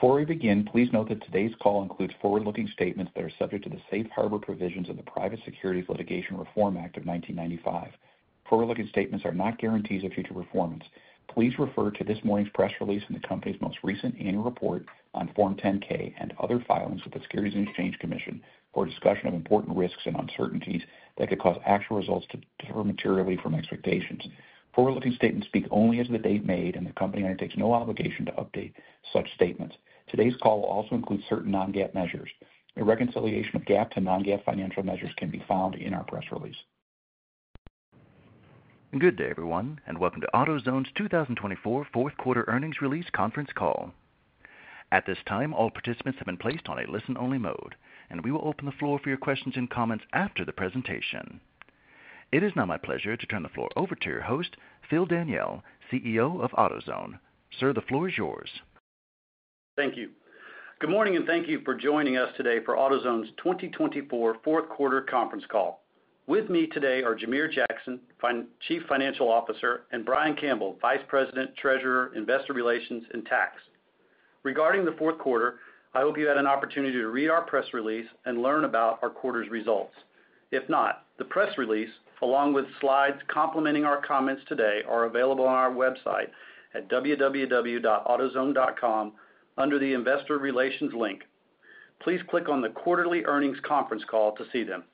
Before we begin, please note that today's call includes forward-looking statements that are subject to the safe harbor provisions of the Private Securities Litigation Reform Act of 1995. Forward-looking statements are not guarantees of future performance. Please refer to this morning's press release and the company's most recent annual report on Form 10-K and other filings with the Securities and Exchange Commission for a discussion of important risks and uncertainties that could cause actual results to differ materially from expectations. Forward-looking statements speak only as of the date made, and the company undertakes no obligation to update such statements. Today's call will also include certain non-GAAP measures. A reconciliation of GAAP to non-GAAP financial measures can be found in our press release. Good day, everyone, and welcome to AutoZone's 2024 quarter earnings release conference call. At this time, all participants have been placed on a listen-only mode, and we will open the floor for your questions and comments after the presentation. It is now my pleasure to turn the floor over to your host, Phil Daniele, CEO of AutoZone. Sir, the floor is yours. Thank you. Good morning, and thank you for joining us today for AutoZone's 2024 fourth quarter conference call. With me today are Jamere Jackson, Chief Financial Officer, and Brian Campbell, Vice President, Treasurer, Investor Relations, and Tax. Regarding the fourth quarter, I hope you had an opportunity to read our press release and learn about our quarter's results. If not, the press release, along with slides complementing our comments today, are available on our website at www.autozone.com under the Investor Relations link. Please click on the Quarterly Earnings Conference Call to see them.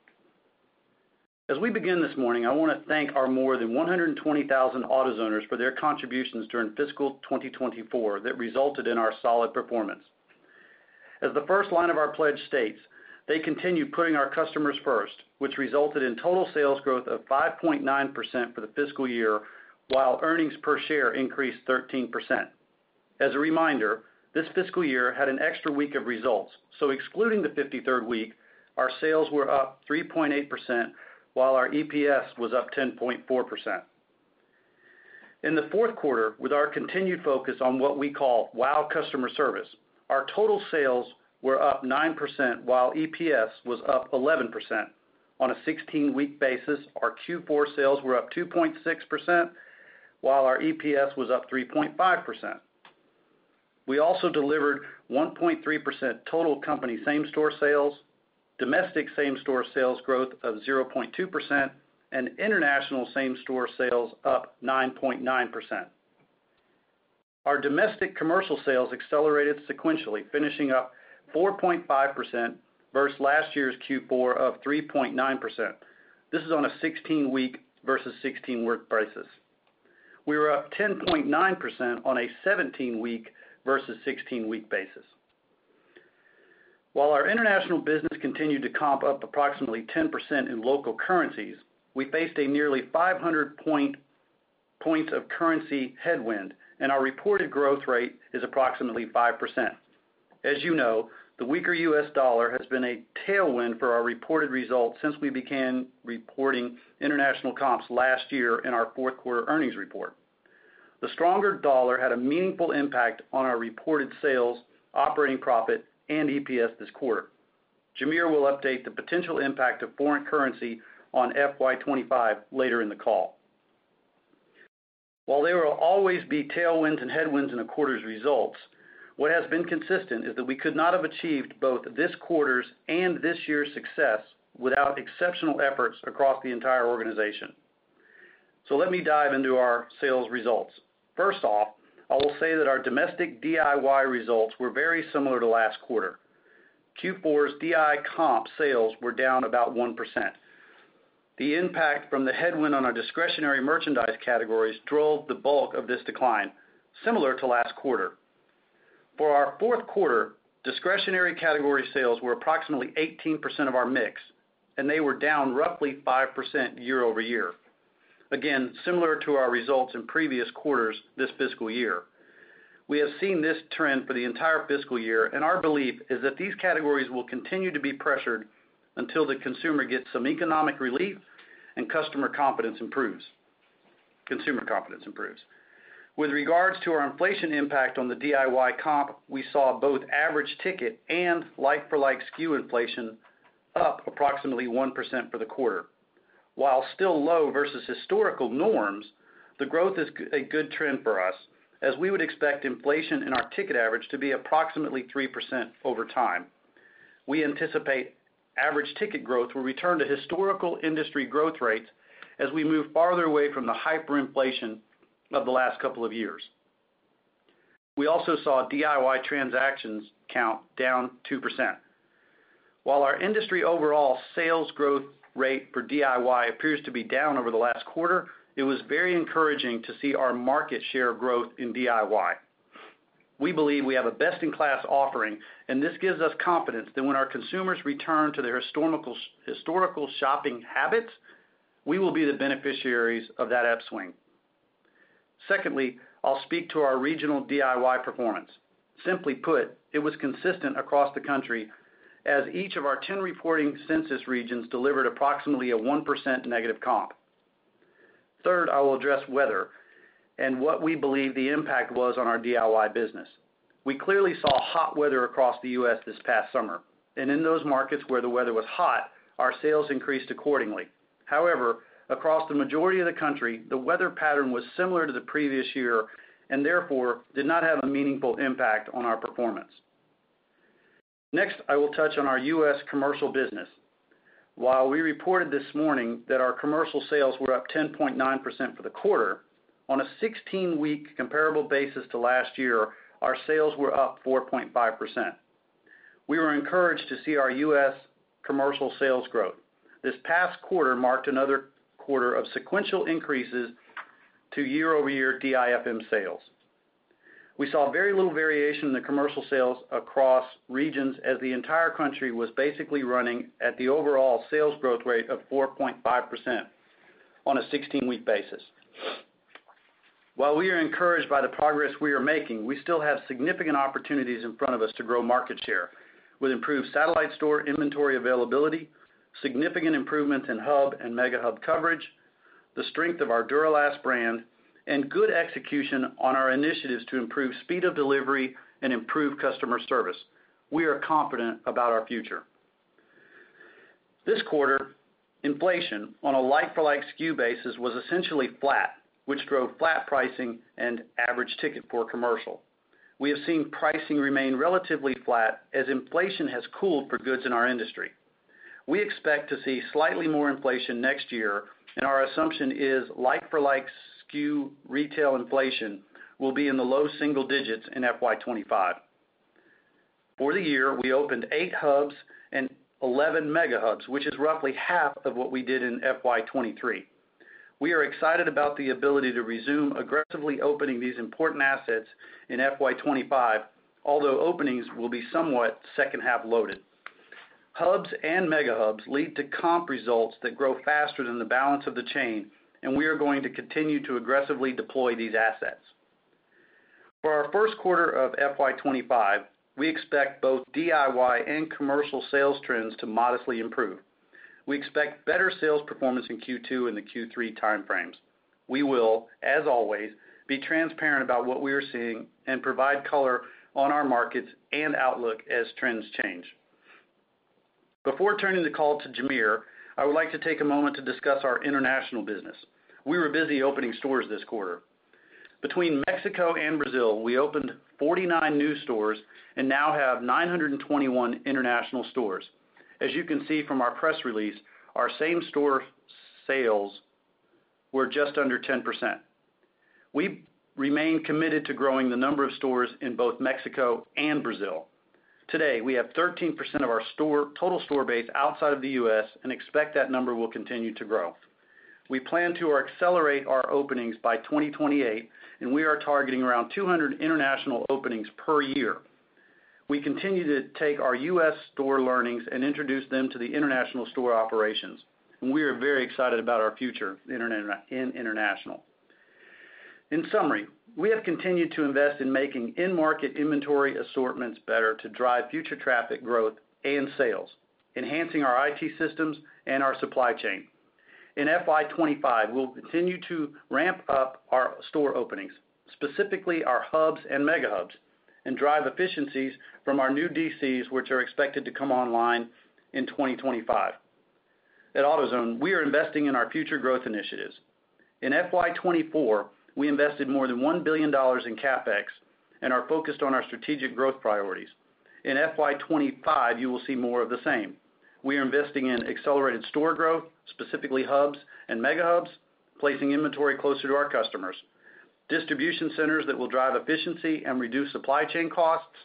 As we begin this morning, I wanna thank our more than 120,000 AutoZoners for their contributions during fiscal 2024 that resulted in our solid performance. As the first line of our pledge states, they continue putting our customers first, which resulted in total sales growth of 5.9% for the fiscal year, while earnings per share increased 13%. As a reminder, this fiscal year had an extra week of results, so excluding the 53rd week, our sales were up 3.8%, while our EPS was up 10.4%. In the fourth quarter, with our continued focus on what we call WOW! Customer Service, our total sales were up 9%, while EPS was up 11%. On a 16-week basis, our Q4 sales were up 2.6%, while our EPS was up 3.5%. We also delivered 1.3% total company same-store sales, domestic same-store sales growth of 0.2%, and international same-store sales up 9.9%. Our domestic commercial sales accelerated sequentially, finishing up 4.5% versus last year's Q4 of 3.9%. This is on a 16-week versus 16-week basis. We were up 10.9% on a 17-week versus 16-week basis. While our international business continued to comp up approximately 10% in local currencies, we faced a nearly 500 points of currency headwind, and our reported growth rate is approximately 5%. As you know, the weaker US dollar has been a tailwind for our reported results since we began reporting international comps last year in our fourth quarter earnings report. The stronger dollar had a meaningful impact on our reported sales, operating profit, and EPS this quarter. Jamere will update the potential impact of foreign currency on FY 2025 later in the call. While there will always be tailwinds and headwinds in a quarter's results, what has been consistent is that we could not have achieved both this quarter's and this year's success without exceptional efforts across the entire organization, so let me dive into our sales results. First off, I will say that our domestic DIY results were very similar to last quarter. Q4's DIY comp sales were down about 1%. The impact from the headwind on our discretionary merchandise categories drove the bulk of this decline, similar to last quarter. For our fourth quarter, discretionary category sales were approximately 18% of our mix, and they were down roughly 5% year-over-year. Again, similar to our results in previous quarters this fiscal year. We have seen this trend for the entire fiscal year, and our belief is that these categories will continue to be pressured until the consumer gets some economic relief and customer confidence improves. With regards to our inflation impact on the DIY comp, we saw both average ticket and like-for-like SKU inflation up approximately 1% for the quarter. While still low versus historical norms, the growth is a good trend for us, as we would expect inflation in our ticket average to be approximately 3% over time. We anticipate average ticket growth will return to historical industry growth rates as we move farther away from the hyperinflation of the last couple of years. We also saw DIY transactions count down 2%. While our industry overall sales growth rate for DIY appears to be down over the last quarter, it was very encouraging to see our market share growth in DIY. We believe we have a best-in-class offering, and this gives us confidence that when our consumers return to their historical, historical shopping habits, we will be the beneficiaries of that upswing. Secondly, I'll speak to our regional DIY performance. Simply put, it was consistent across the country as each of our 10 reporting census regions delivered approximately a 1% negative comp. Third, I will address weather and what we believe the impact was on our DIY business. We clearly saw hot weather across the U.S. this past summer, and in those markets where the weather was hot, our sales increased accordingly. However, across the majority of the country, the weather pattern was similar to the previous year, and therefore, did not have a meaningful impact on our performance. Next, I will touch on our U.S. commercial business. While we reported this morning that our commercial sales were up 10.9% for the quarter, on a 16-week comparable basis to last year, our sales were up 4.5%. We were encouraged to see our U.S. commercial sales growth. This past quarter marked another quarter of sequential increases to year-over-year DIFM sales. We saw very little variation in the commercial sales across regions, as the entire country was basically running at the overall sales growth rate of 4.5% on a 16-week basis. While we are encouraged by the progress we are making, we still have significant opportunities in front of us to grow market share with improved satellite store inventory availability, significant improvements in Hub and Mega Hub coverage, the strength of our Duralast brand, and good execution on our initiatives to improve speed of delivery and improve customer service. We are confident about our future. This quarter, inflation on a like-for-like SKU basis was essentially flat, which drove flat pricing and average ticket for commercial. We have seen pricing remain relatively flat as inflation has cooled for goods in our industry. We expect to see slightly more inflation next year, and our assumption is like-for-like SKU retail inflation will be in the low single digits in FY 2025. For the year, we opened eight Hubs and 11 Mega Hubs, which is roughly half of what we did in FY 2023. We are excited about the ability to resume aggressively opening these important assets in FY 2025, although openings will be somewhat second-half loaded. Hubs and Mega Hubs lead to comp results that grow faster than the balance of the chain, and we are going to continue to aggressively deploy these assets. For our first quarter of FY 2025, we expect both DIY and commercial sales trends to modestly improve. We expect better sales performance in Q2 and the Q3 time frames. We will, as always, be transparent about what we are seeing and provide color on our markets and outlook as trends change. Before turning the call to Jamere, I would like to take a moment to discuss our international business. We were busy opening stores this quarter. Between Mexico and Brazil, we opened 49 new stores and now have 921 international stores. As you can see from our press release, our same-store sales were just under 10%. We remain committed to growing the number of stores in both Mexico and Brazil. Today, we have 13% of our total store base outside of the U.S. and expect that number will continue to grow. We plan to accelerate our openings by 2028, and we are targeting around 200 international openings per year. We continue to take our U.S. store learnings and introduce them to the international store operations, and we are very excited about our future in international. In summary, we have continued to invest in making in-market inventory assortments better to drive future traffic growth and sales, enhancing our IT systems and our supply chain. In FY 2025, we'll continue to ramp up our store openings, specifically our Hubs and Mega Hubs, and drive efficiencies from our new DCs, which are expected to come online in 2025. At AutoZone, we are investing in our future growth initiatives. In FY 2024, we invested more than $1 billion in CapEx and are focused on our strategic growth priorities. In FY 2025, you will see more of the same. We are investing in accelerated store growth, specifically Hubs and Mega Hubs, placing inventory closer to our customers, distribution centers that will drive efficiency and reduce supply chain costs,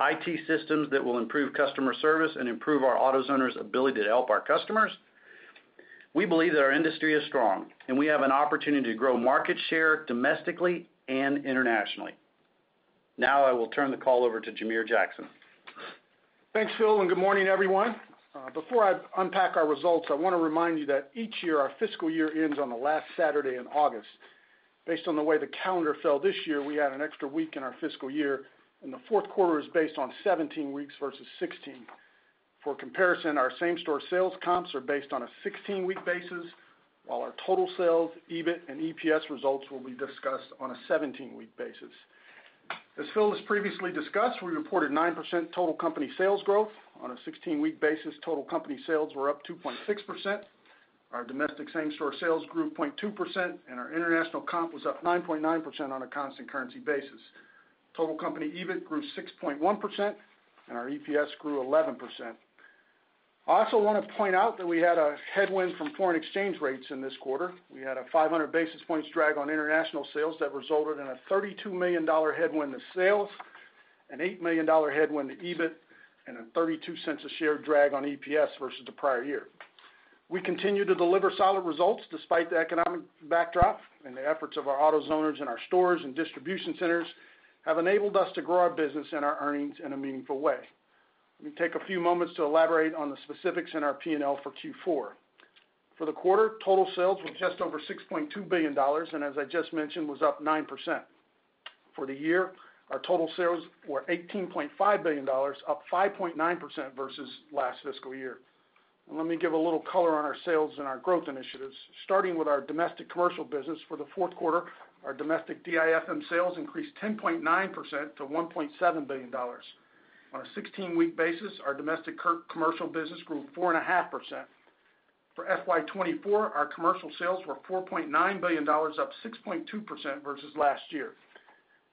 IT systems that will improve customer service and improve our AutoZoners' ability to help our customers. We believe that our industry is strong, and we have an opportunity to grow market share domestically and internationally. Now I will turn the call over to Jamere Jackson. Thanks, Phil, and good morning, everyone. Before I unpack our results, I want to remind you that each year, our fiscal year ends on the last Saturday in August. Based on the way the calendar fell this year, we had an extra week in our fiscal year, and the fourth quarter is based on 17 weeks versus 16. For comparison, our same-store sales comps are based on a 16-week basis, while our total sales, EBIT, and EPS results will be discussed on a 17-week basis. As Phil has previously discussed, we reported 9% total company sales growth. On a 16-week basis, total company sales were up 2.6%, our domestic same-store sales grew 0.2%, and our international comp was up 9.9% on a constant currency basis. Total company EBIT grew 6.1%, and our EPS grew 11%. I also want to point out that we had a headwind from foreign exchange rates in this quarter. We had a 500 basis points drag on international sales that resulted in a $32 million headwind to sales, an $8 million headwind to EBIT, and a $0.32 a share drag on EPS versus the prior year. We continue to deliver solid results despite the economic backdrop, and the efforts of our AutoZoners in our stores and distribution centers have enabled us to grow our business and our earnings in a meaningful way. Let me take a few moments to elaborate on the specifics in our P&L for Q4. For the quarter, total sales were just over $6.2 billion, and as I just mentioned, was up 9%. For the year, our total sales were $18.5 billion, up 5.9% versus last fiscal year. Let me give a little color on our sales and our growth initiatives, starting with our domestic commercial business. For the fourth quarter, our domestic DIFM sales increased 10.9% to $1.7 billion. On a 16-week basis, our domestic commercial business grew 4.5%. For FY 2024, our commercial sales were $4.9 billion, up 6.2% versus last year.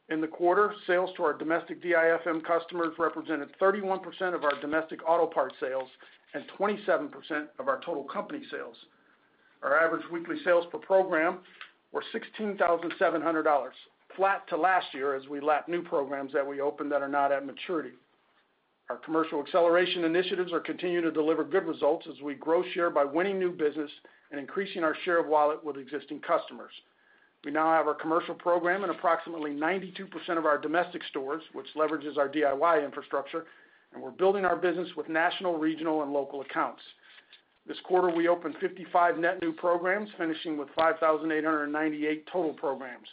In the quarter, sales to our domestic DIFM customers represented 31% of our domestic auto parts sales and 27% of our total company sales. Our average weekly sales per program were $16,700, flat to last year as we lap new programs that we opened that are not at maturity. Our commercial acceleration initiatives are continuing to deliver good results as we grow share by winning new business and increasing our share of wallet with existing customers. We now have our commercial program in approximately 92% of our domestic stores, which leverages our DIY infrastructure, and we're building our business with national, regional, and local accounts. This quarter, we opened 55 net new programs, finishing with 5,898 total programs.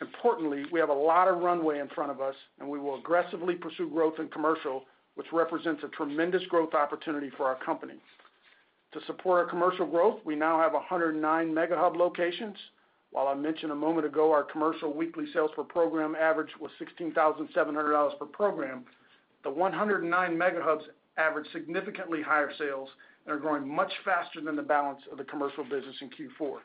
Importantly, we have a lot of runway in front of us, and we will aggressively pursue growth in commercial, which represents a tremendous growth opportunity for our company. To support our commercial growth, we now have 109 Mega Hubs locations. While I mentioned a moment ago, our commercial weekly sales per program average was $16,700 per program. The 109 Mega Hubs average significantly higher sales and are growing much faster than the balance of the commercial business in Q4.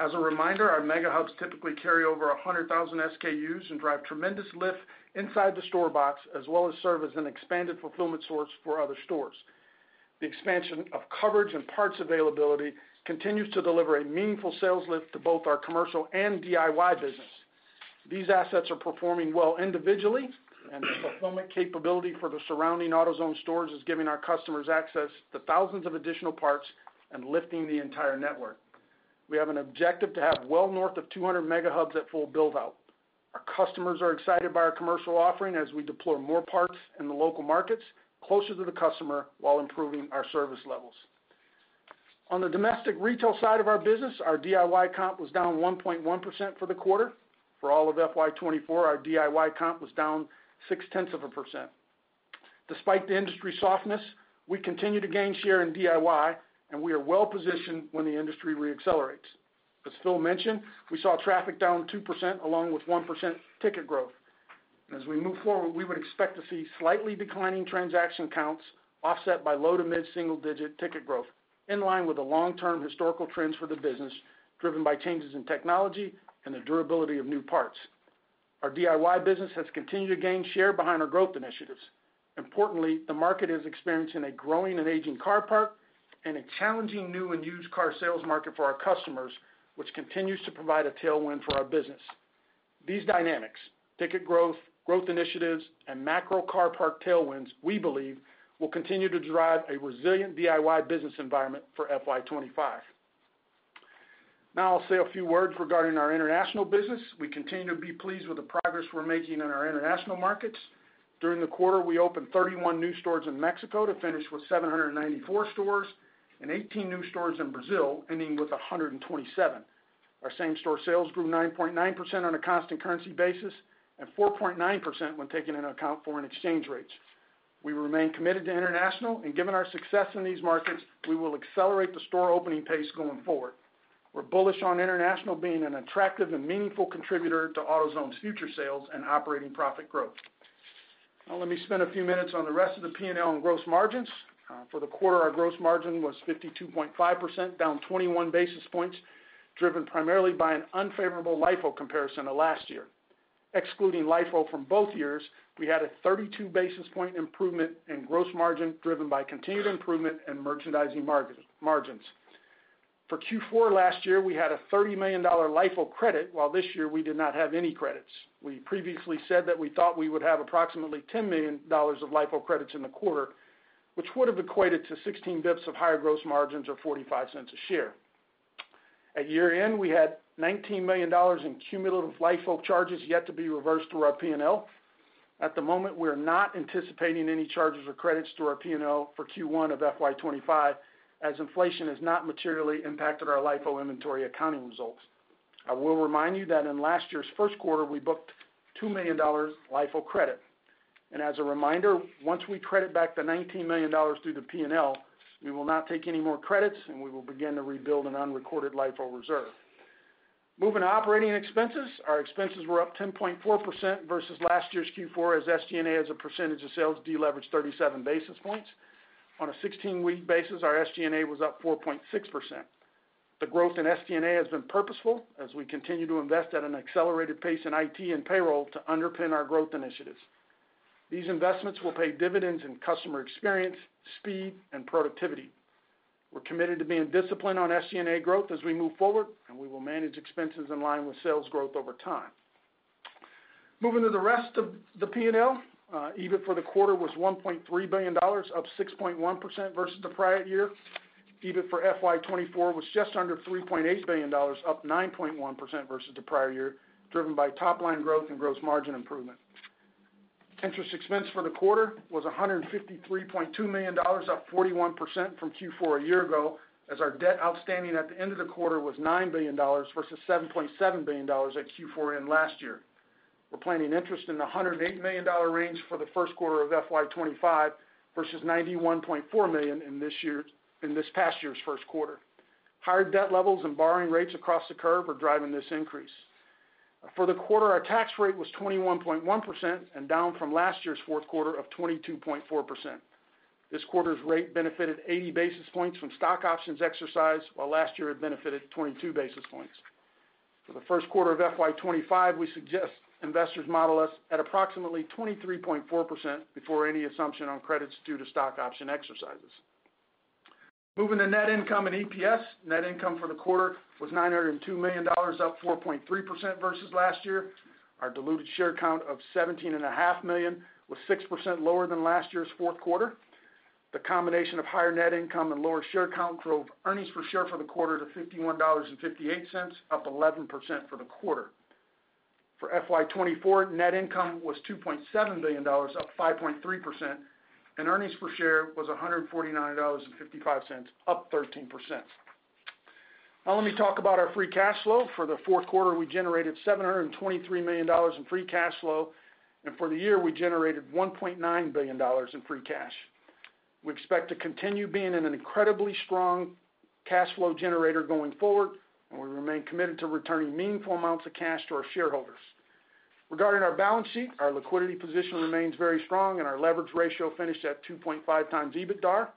As a reminder, our Mega Hubs typically carry over 100,000 SKUs and drive tremendous lift inside the store box, as well as serve as an expanded fulfillment source for other stores. The expansion of coverage and parts availability continues to deliver a meaningful sales lift to both our commercial and DIY business. These assets are performing well individually, and the fulfillment capability for the surrounding AutoZone stores is giving our customers access to thousands of additional parts and lifting the entire network. We have an objective to have well north of 200 Mega Hubs at full build-out. Our customers are excited by our commercial offering as we deploy more parts in the local markets closer to the customer while improving our service levels. On the domestic retail side of our business, our DIY comp was down 1.1% for the quarter. For all of FY 2024, our DIY comp was down 0.6%. Despite the industry softness, we continue to gain share in DIY, and we are well-positioned when the industry reaccelerates. As Phil mentioned, we saw traffic down 2%, along with 1% ticket growth. As we move forward, we would expect to see slightly declining transaction counts offset by low to mid-single digit ticket growth, in line with the long-term historical trends for the business, driven by changes in technology and the durability of new parts. Our DIY business has continued to gain share behind our growth initiatives. Importantly, the market is experiencing a growing and aging car park and a challenging new and used car sales market for our customers, which continues to provide a tailwind for our business. These dynamics, ticket growth, growth initiatives, and macro car park tailwinds, we believe, will continue to drive a resilient DIY business environment for FY 2025. Now I'll say a few words regarding our international business. We continue to be pleased with the progress we're making in our international markets. During the quarter, we opened 31 new stores in Mexico to finish with 794 stores and 18 new stores in Brazil, ending with 127. Our same-store sales grew 9.9% on a constant currency basis and 4.9% when taking into account foreign exchange rates. We remain committed to international, and given our success in these markets, we will accelerate the store opening pace going forward. We're bullish on international being an attractive and meaningful contributor to AutoZone's future sales and operating profit growth. Now, let me spend a few minutes on the rest of the P&L and gross margins. For the quarter, our gross margin was 52.5%, down 21 basis points, driven primarily by an unfavorable LIFO comparison to last year. Excluding LIFO from both years, we had a 32 basis point improvement in gross margin, driven by continued improvement in merchandising margins. For Q4 last year, we had a $30 million LIFO credit, while this year we did not have any credits. We previously said that we thought we would have approximately $10 million of LIFO credits in the quarter, which would have equated to 16 basis points of higher gross margins or $0.45 a share. At year-end, we had $19 million in cumulative LIFO charges yet to be reversed through our P&L. At the moment, we are not anticipating any charges or credits to our P&L for Q1 of FY 2025, as inflation has not materially impacted our LIFO inventory accounting results. I will remind you that in last year's first quarter, we booked $2 million LIFO credit, and as a reminder, once we credit back the $19 million through the P&L, we will not take any more credits, and we will begin to rebuild an unrecorded LIFO reserve. Moving to operating expenses. Our expenses were up 10.4% versus last year's Q4, as SG&A, as a percentage of sales, deleveraged 37 basis points. On a 16-week basis, our SG&A was up 4.6%. The growth in SG&A has been purposeful as we continue to invest at an accelerated pace in IT and payroll to underpin our growth initiatives. These investments will pay dividends in customer experience, speed, and productivity. We're committed to being disciplined on SG&A growth as we move forward, and we will manage expenses in line with sales growth over time. Moving to the rest of the P&L, EBIT for the quarter was $1.3 billion, up 6.1% versus the prior year. EBIT for FY 2024 was just under $3.8 billion, up 9.1% versus the prior year, driven by top-line growth and gross margin improvement. Interest expense for the quarter was $153.2 million, up 41% from Q4 a year ago, as our debt outstanding at the end of the quarter was $9 billion versus $7.7 billion at Q4 end last year. We're planning interest in the $108 million range for the first quarter of FY 2025 versus $91.4 million in this past year's first quarter. Higher debt levels and borrowing rates across the curve are driving this increase. For the quarter, our tax rate was 21.1% and down from last year's fourth quarter of 22.4%. This quarter's rate benefited 80 basis points from stock options exercised, while last year it benefited 22 basis points. For the first quarter of FY 2025, we suggest investors model us at approximately 23.4% before any assumption on credits due to stock option exercises. Moving to net income and EPS. Net income for the quarter was $902 million, up 4.3% versus last year. Our diluted share count of 17.5 million was 6% lower than last year's fourth quarter. The combination of higher net income and lower share count drove earnings per share for the quarter to $51.58, up 11% for the quarter. For FY 2024, net income was $2.7 billion, up 5.3%, and earnings per share was $149.55, up 13%. Now, let me talk about our free cash flow. For the fourth quarter, we generated $723 million in free cash flow, and for the year, we generated $1.9 billion in free cash. We expect to continue being in an incredibly strong cash flow generator going forward, and we remain committed to returning meaningful amounts of cash to our shareholders. Regarding our balance sheet, our liquidity position remains very strong and our leverage ratio finished at 2.5x EBITDA.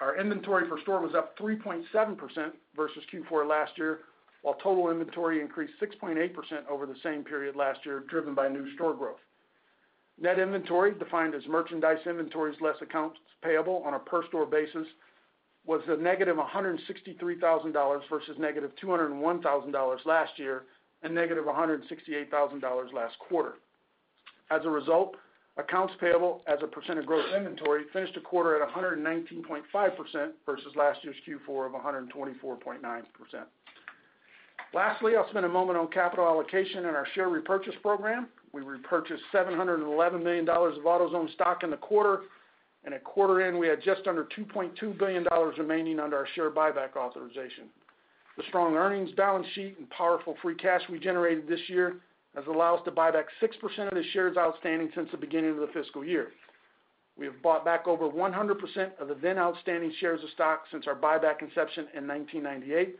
Our inventory per store was up 3.7% versus Q4 last year, while total inventory increased 6.8% over the same period last year, driven by new store growth. Net inventory, defined as merchandise inventories less accounts payable on a per store basis, was -$163,000 versus -$201,000 last year, and -$168,000 last quarter. As a result, accounts payable as a percent of gross inventory finished the quarter at 119.5% versus last year's Q4 of 124.9%. Lastly, I'll spend a moment on capital allocation and our share repurchase program. We repurchased $711 million of AutoZone stock in the quarter, and at quarter end, we had just under $2.2 billion remaining under our share buyback authorization. The strong earnings balance sheet and powerful free cash we generated this year has allowed us to buy back 6% of the shares outstanding since the beginning of the fiscal year. We have bought back over 100% of the then outstanding shares of stock since our buyback inception in 1998,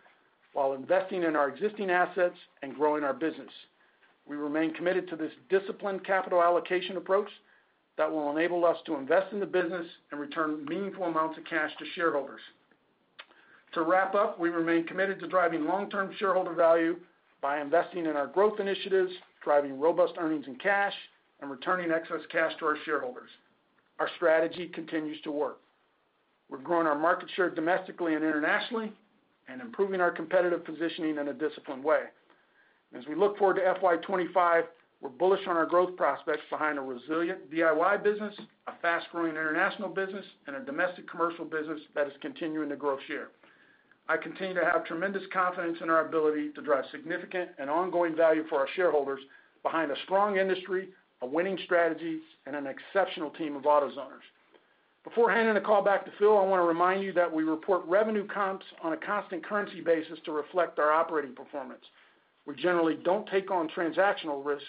while investing in our existing assets and growing our business. We remain committed to this disciplined capital allocation approach that will enable us to invest in the business and return meaningful amounts of cash to shareholders. To wrap up, we remain committed to driving long-term shareholder value by investing in our growth initiatives, driving robust earnings and cash, and returning excess cash to our shareholders. Our strategy continues to work. We're growing our market share domestically and internationally, and improving our competitive positioning in a disciplined way. As we look forward to FY 2025, we're bullish on our growth prospects behind a resilient DIY business, a fast-growing international business, and a domestic commercial business that is continuing to grow share. I continue to have tremendous confidence in our ability to drive significant and ongoing value for our shareholders behind a strong industry, a winning strategy, and an exceptional team of AutoZoners. Before handing the call back to Phil, I want to remind you that we report revenue comps on a constant currency basis to reflect our operating performance. We generally don't take on transactional risks,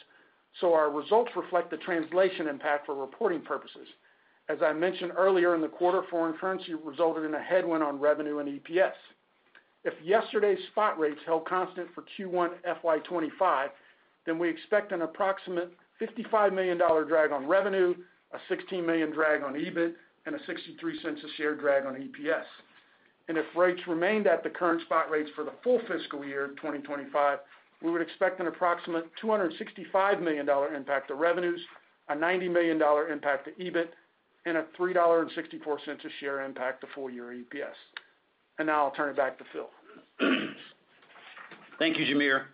so our results reflect the translation impact for reporting purposes. As I mentioned earlier in the quarter, foreign currency resulted in a headwind on revenue and EPS. If yesterday's spot rates held constant for Q1 FY 2025, then we expect an approximate $55 million drag on revenue, a $16 million drag on EBIT, and a $0.63 a share drag on EPS. And if rates remained at the current spot rates for the full fiscal year of 2025, we would expect an approximate $265 million impact to revenues, a $90 million impact to EBIT, and a $3.64 a share impact to full year EPS. And now I'll turn it back to Phil. Thank you, Jamere.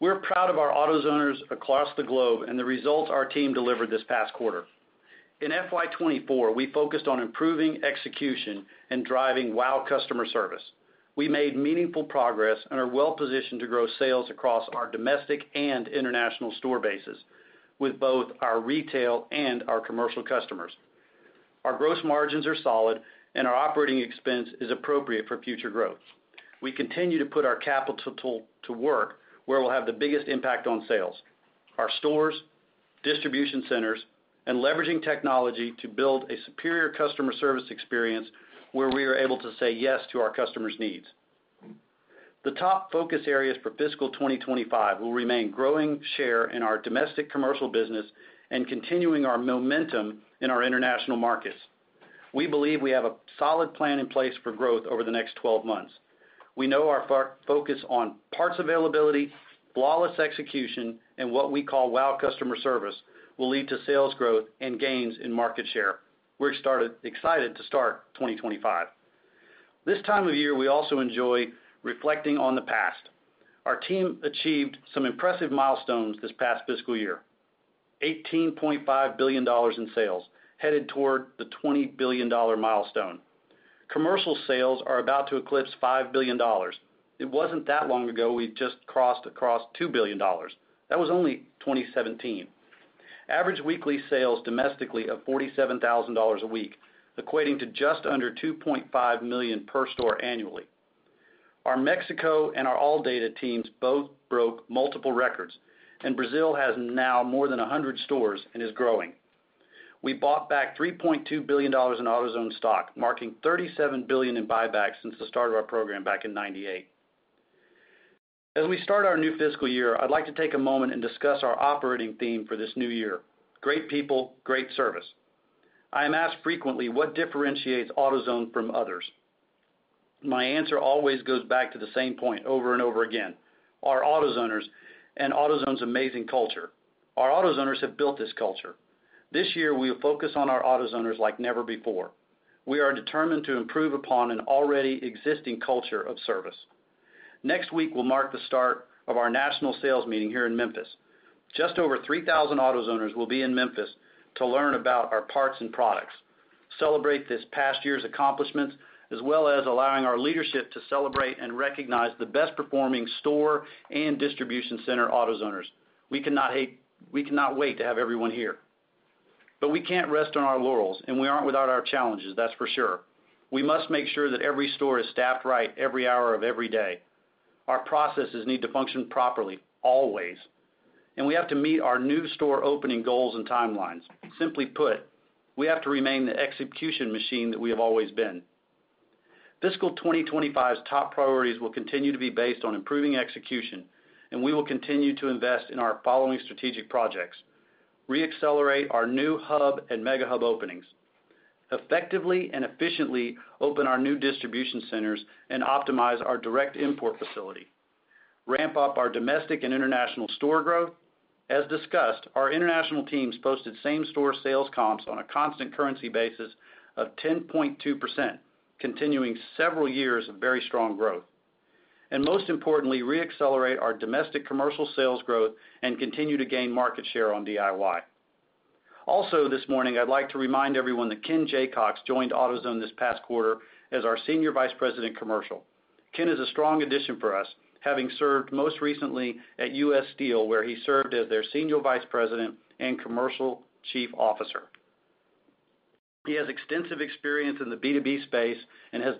We're proud of our AutoZoners across the globe and the results our team delivered this past quarter. In FY 2024, we focused on improving execution and driving WOW! Customer Service. We made meaningful progress and are well-positioned to grow sales across our domestic and international store bases, with both our retail and our commercial customers. Our gross margins are solid, and our operating expense is appropriate for future growth. We continue to put our capital to work where we'll have the biggest impact on sales, our stores, distribution centers, and leveraging technology to build a superior customer service experience where we are able to say yes to our customers' needs. The top focus areas for fiscal 2025 will remain growing share in our domestic commercial business and continuing our momentum in our international markets. We believe we have a solid plan in place for growth over the next 12 months. We know our focus on parts availability, flawless execution, and what we call WOW! Customer Service will lead to sales growth and gains in market share. We're excited to start 2025. This time of year, we also enjoy reflecting on the past. Our team achieved some impressive milestones this past fiscal year. $18.5 billion in sales, headed toward the $20 billion milestone. Commercial sales are about to eclipse $5 billion. It wasn't that long ago, we just crossed $2 billion. That was only 2017. Average weekly sales domestically of $47,000 a week, equating to just under $2.5 million per store annually. Our Mexico and our ALLDATA teams both broke multiple records, and Brazil has now more than 100 stores and is growing. We bought back $3.2 billion in AutoZone stock, marking $37 billion in buybacks since the start of our program back in 1998. As we start our new fiscal year, I'd like to take a moment and discuss our operating theme for this new year: Great People, Great Service. I am asked frequently what differentiates AutoZone from others. My answer always goes back to the same point over and over again, our AutoZoners and AutoZone's amazing culture. Our AutoZoners have built this culture. This year, we will focus on our AutoZoners like never before. We are determined to improve upon an already existing culture of service. Next week will mark the start of our national sales meeting here in Memphis. Just over 3,000 AutoZoners will be in Memphis to learn about our parts and products, celebrate this past year's accomplishments, as well as allowing our leadership to celebrate and recognize the best performing store and distribution center AutoZoners. We cannot wait to have everyone here. But we can't rest on our laurels, and we aren't without our challenges, that's for sure. We must make sure that every store is staffed right every hour of every day. Our processes need to function properly, always, and we have to meet our new store opening goals and timelines. Simply put, we have to remain the execution machine that we have always been. Fiscal 2025's top priorities will continue to be based on improving execution, and we will continue to invest in our following strategic projects: reaccelerate our new Hub and Mega Hub openings, effectively and efficiently open our new distribution centers and optimize our direct import facility, ramp up our domestic and international store growth. As discussed, our international teams posted same-store sales comps on a constant currency basis of 10.2%, continuing several years of very strong growth. Most importantly, reaccelerate our domestic commercial sales growth and continue to gain market share on DIY. Also this morning, I'd like to remind everyone that Ken Jacox joined AutoZone this past quarter as our Senior Vice President, Commercial. Ken is a strong addition for us, having served most recently at U.S. Steel, where he served as their Senior Vice President and Chief Commercial Officer. He has extensive experience in the B2B space and has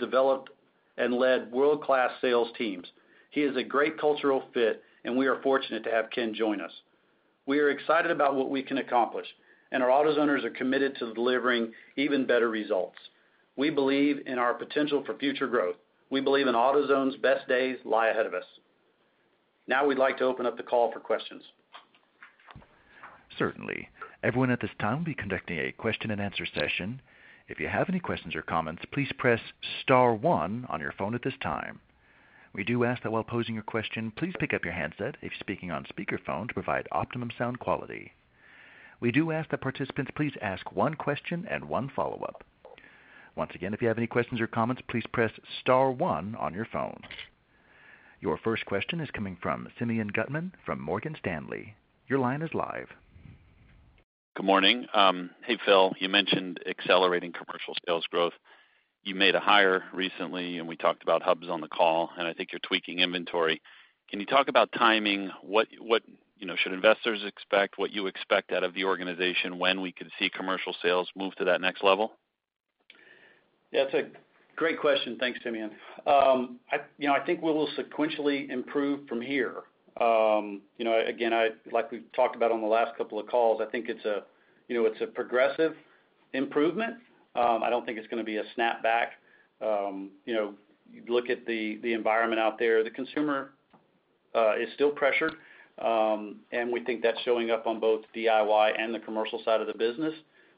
developed and led world-class sales teams. He is a great cultural fit, and we are fortunate to have Ken join us. We are excited about what we can accomplish, and our AutoZoners are committed to delivering even better results. We believe in our potential for future growth. We believe in AutoZone's best days lie ahead of us. Now, we'd like to open up the call for questions. Certainly. Everyone at this time, we'll be conducting a question and answer session. If you have any questions or comments, please press star one on your phone at this time. We do ask that while posing your question, please pick up your handset if speaking on speakerphone to provide optimum sound quality. We do ask that participants please ask one question and one follow-up. Once again, if you have any questions or comments, please press star one on your phone. Your first question is coming from Simeon Gutman from Morgan Stanley. Your line is live. Good morning. Hey, Phil, you mentioned accelerating commercial sales growth. You made a hire recently, and we talked about Hubs on the call, and I think you're tweaking inventory. Can you talk about timing? What, you know, should investors expect, what you expect out of the organization, when we could see commercial sales move to that next level? Yeah, it's a great question. Thanks, Simeon. I, you know, I think we will sequentially improve from here. You know, again, like we've talked about on the last couple of calls, I think it's a, you know, it's a progressive improvement. I don't think it's gonna be a snapback. You know, you look at the environment out there, the consumer is still pressured, and we think that's showing up on both DIY and the commercial side of the business.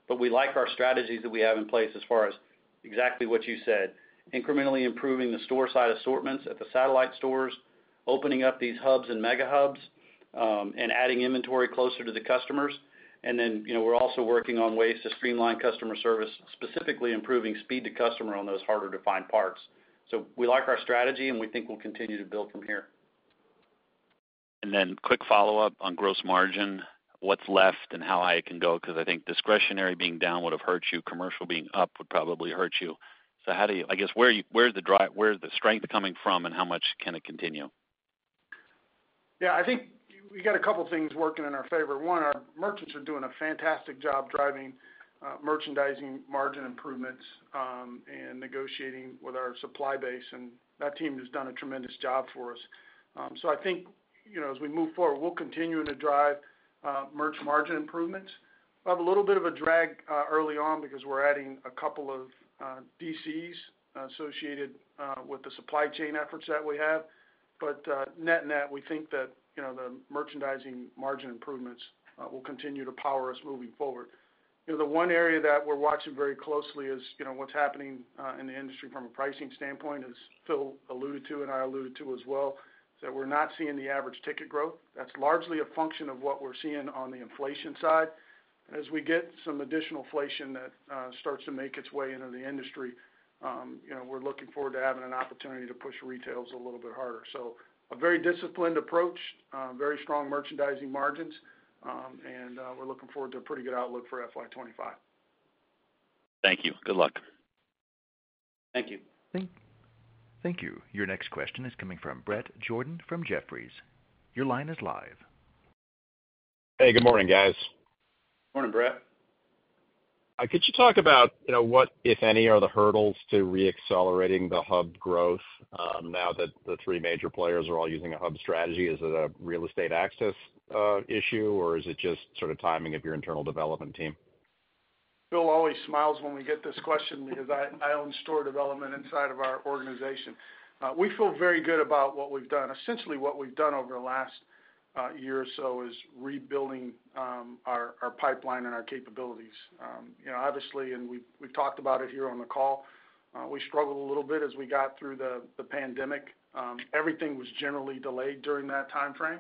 But we like our strategies that we have in place as far as exactly what you said, incrementally improving the store side assortments at the satellite stores, opening up these Hubs and Mega Hubs, and adding inventory closer to the customers. And then, you know, we're also working on ways to streamline customer service, specifically improving speed to customer on those harder to find parts. So we like our strategy, and we think we'll continue to build from here. And then quick follow-up on gross margin, what's left and how high it can go? Because I think discretionary being down would have hurt you. Commercial being up would probably hurt you. So how do you... I guess, where's the strength coming from, and how much can it continue? Yeah, I think we got a couple of things working in our favor. One, our merchants are doing a fantastic job driving merchandising margin improvements, and negotiating with our supply base, and that team has done a tremendous job for us. So I think, you know, as we move forward, we'll continue to drive merch margin improvements. We'll have a little bit of a drag early on because we're adding a couple of DCs associated with the supply chain efforts that we have. But net-net, we think that, you know, the merchandising margin improvements will continue to power us moving forward. You know, the one area that we're watching very closely is, you know, what's happening in the industry from a pricing standpoint, as Phil alluded to and I alluded to as well, is that we're not seeing the average ticket growth. That's largely a function of what we're seeing on the inflation side. As we get some additional inflation that starts to make its way into the industry, you know, we're looking forward to having an opportunity to push retails a little bit harder. So a very disciplined approach, very strong merchandising margins, and we're looking forward to a pretty good outlook for FY 2025. Thank you. Good luck. Thank you. Thank you. Your next question is coming from Bret Jordan from Jefferies. Your line is live. Hey, good morning, guys. Morning, Bret. Could you talk about, you know, what, if any, are the hurdles to reaccelerating the Hub growth, now that the three major players are all using a Hub strategy? Is it a real estate access issue, or is it just sort of timing of your internal development team? Phil always smiles when we get this question because I own store development inside of our organization. We feel very good about what we've done. Essentially, what we've done over the last year or so is rebuilding our pipeline and our capabilities. You know, obviously, and we've talked about it here on the call, we struggled a little bit as we got through the pandemic. Everything was generally delayed during that time frame.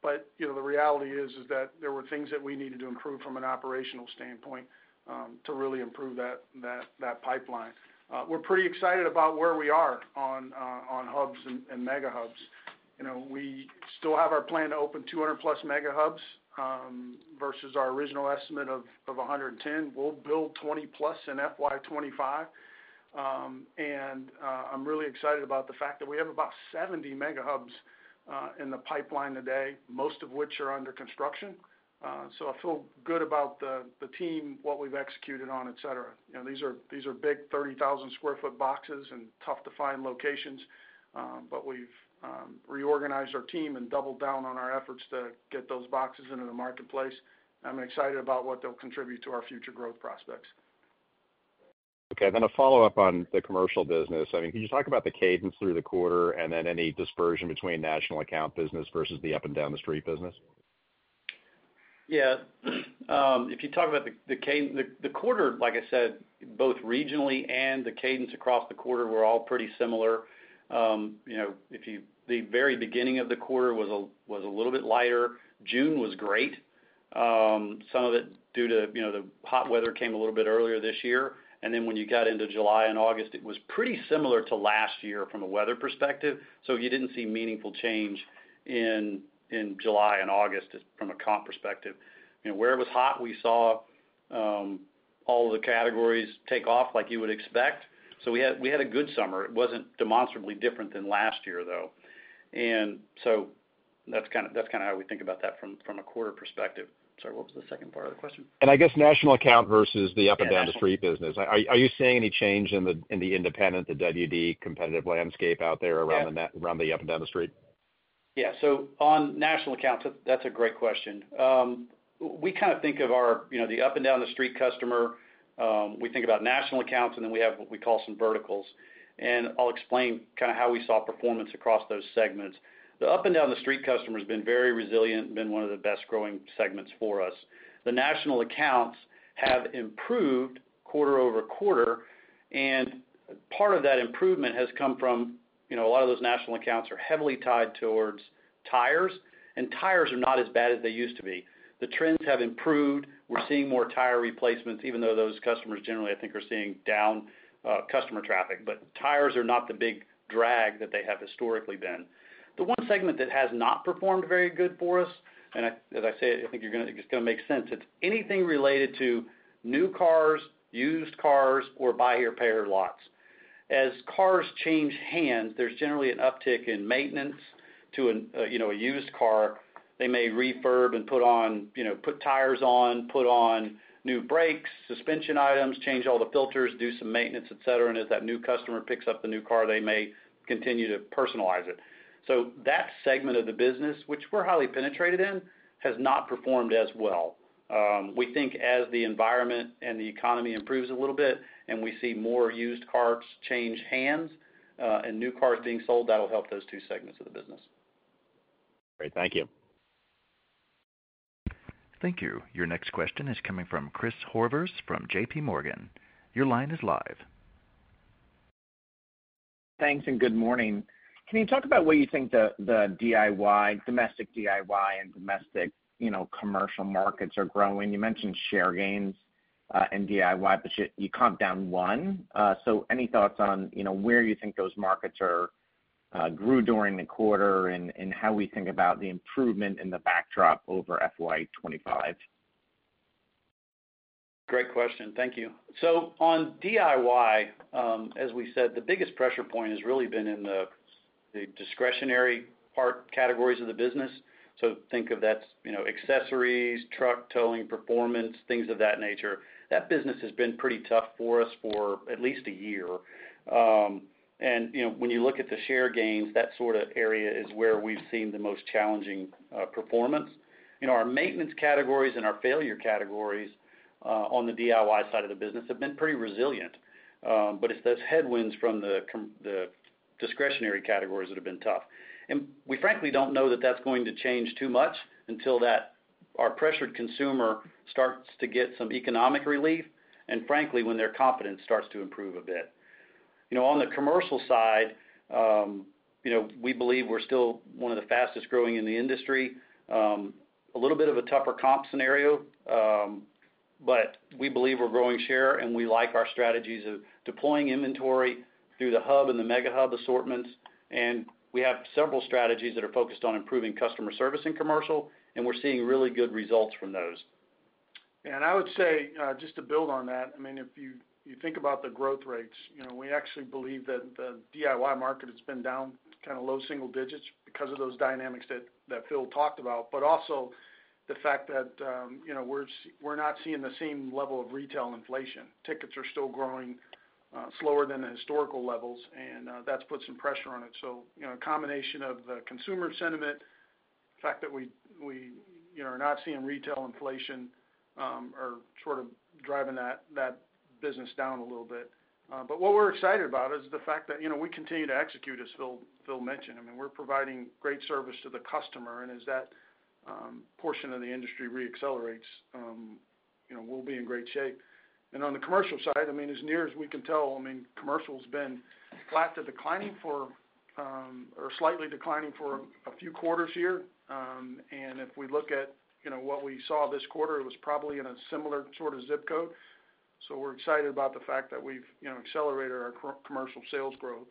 But, you know, the reality is that there were things that we needed to improve from an operational standpoint to really improve that pipeline. We're pretty excited about where we are on Hubs and Mega Hubs. You know, we still have our plan to open 200+ Mega Hubs versus our original estimate of 110. We'll build 20+ in FY 2025. And I'm really excited about the fact that we have about 70 Mega Hubs in the pipeline today, most of which are under construction. So I feel good about the team, what we've executed on, et cetera. You know, these are big 30,000 sq ft boxes and tough to find locations, but we've reorganized our team and doubled down on our efforts to get those boxes into the marketplace. I'm excited about what they'll contribute to our future growth prospects. Okay, then a follow-up on the commercial business. I mean, can you talk about the cadence through the quarter and then any dispersion between national account business versus the up-and-down the street business? Yeah, if you talk about the quarter, like I said, both regionally and the cadence across the quarter were all pretty similar. You know, the very beginning of the quarter was a little bit lighter. June was great. Some of it due to, you know, the hot weather came a little bit earlier this year, and then when you got into July and August, it was pretty similar to last year from a weather perspective. So you didn't see meaningful change in July and August from a comp perspective. You know, where it was hot, we saw all the categories take off like you would expect. So we had a good summer. It wasn't demonstrably different than last year, though. And so that's kind of how we think about that from a quarter perspective. Sorry, what was the second part of the question? I guess national account versus the up-and-down the street business. Are you seeing any change in the independent, the WD competitive landscape out the around the net, around up and down the street? Yeah. So on national accounts, that's a great question. We kind of think of our, you know, the up-and-down the street customer, we think about national accounts, and then we have what we call some verticals. And I'll explain kind of how we saw performance across those segments. The up-and-down the street customer has been very resilient and been one of the best growing segments for us. The national accounts have improved quarter-over-quarter, and part of that improvement has come from, you know, a lot of those national accounts are heavily tied towards tires, and tires are not as bad as they used to be. The trends have improved. We're seeing more tire replacements, even though those customers generally, I think, are seeing down customer traffic. But tires are not the big drag that they have historically been. The one segment that has not performed very good for us, and as I say, I think you're gonna, it's gonna make sense, it's anything related to new cars, used cars, or buy here, pay here lots. As cars change hands, there's generally an uptick in maintenance to an, you know, a used car. They may refurb and put on, you know, put tires on, put on new brakes, suspension items, change all the filters, do some maintenance, et cetera, and as that new customer picks up the new car, they may continue to personalize it. So that segment of the business, which we're highly penetrated in, has not performed as well. We think as the environment and the economy improves a little bit, and we see more used cars change hands, and new cars being sold, that will help those two segments of the business. Great. Thank you. Thank you. Your next question is coming from Chris Horvers from JPMorgan. Your line is live. Thanks, and good morning. Can you talk about where you think the DIY, domestic DIY and domestic, you know, commercial markets are growing? You mentioned share gains in DIY, but you comped down one. So any thoughts on, you know, where you think those markets grew during the quarter and how we think about the improvement in the backdrop over FY 2025? Great question. Thank you. So on DIY, as we said, the biggest pressure point has really been in the discretionary part categories of the business. So think of that's, you know, accessories, truck towing, performance, things of that nature. That business has been pretty tough for us for at least a year. And, you know, when you look at the share gains, that sort of area is where we've seen the most challenging performance. You know, our maintenance categories and our failure categories on the DIY side of the business have been pretty resilient. But it's those headwinds from the discretionary categories that have been tough. And we frankly don't know that that's going to change too much until our pressured consumer starts to get some economic relief, and frankly, when their confidence starts to improve a bit. You know, on the commercial side, you know, we believe we're still one of the fastest growing in the industry. A little bit of a tougher comp scenario, but we believe we're growing share, and we like our strategies of deploying inventory through the Hub and the Mega Hub assortments, and we have several strategies that are focused on improving customer service in commercial, and we're seeing really good results from those. I would say just to build on that. I mean, if you think about the growth rates, you know, we actually believe that the DIY market has been down kind of low single digits because of those dynamics that Phil talked about, but also the fact that, you know, we're not seeing the same level of retail inflation. Tickets are still growing slower than the historical levels, and that's put some pressure on it. You know, a combination of the consumer sentiment, the fact that we, you know, are not seeing retail inflation, are sort of driving that business down a little bit. But what we're excited about is the fact that, you know, we continue to execute, as Phil mentioned. I mean, we're providing great service to the customer, and as that portion of the industry reaccelerates, you know, we'll be in great shape. And on the commercial side, I mean, as near as we can tell, I mean, commercial's been flat to declining for, or slightly declining for a few quarters here. And if we look at, you know, what we saw this quarter, it was probably in a similar sort of zip code. So we're excited about the fact that we've, you know, accelerated our commercial sales growth.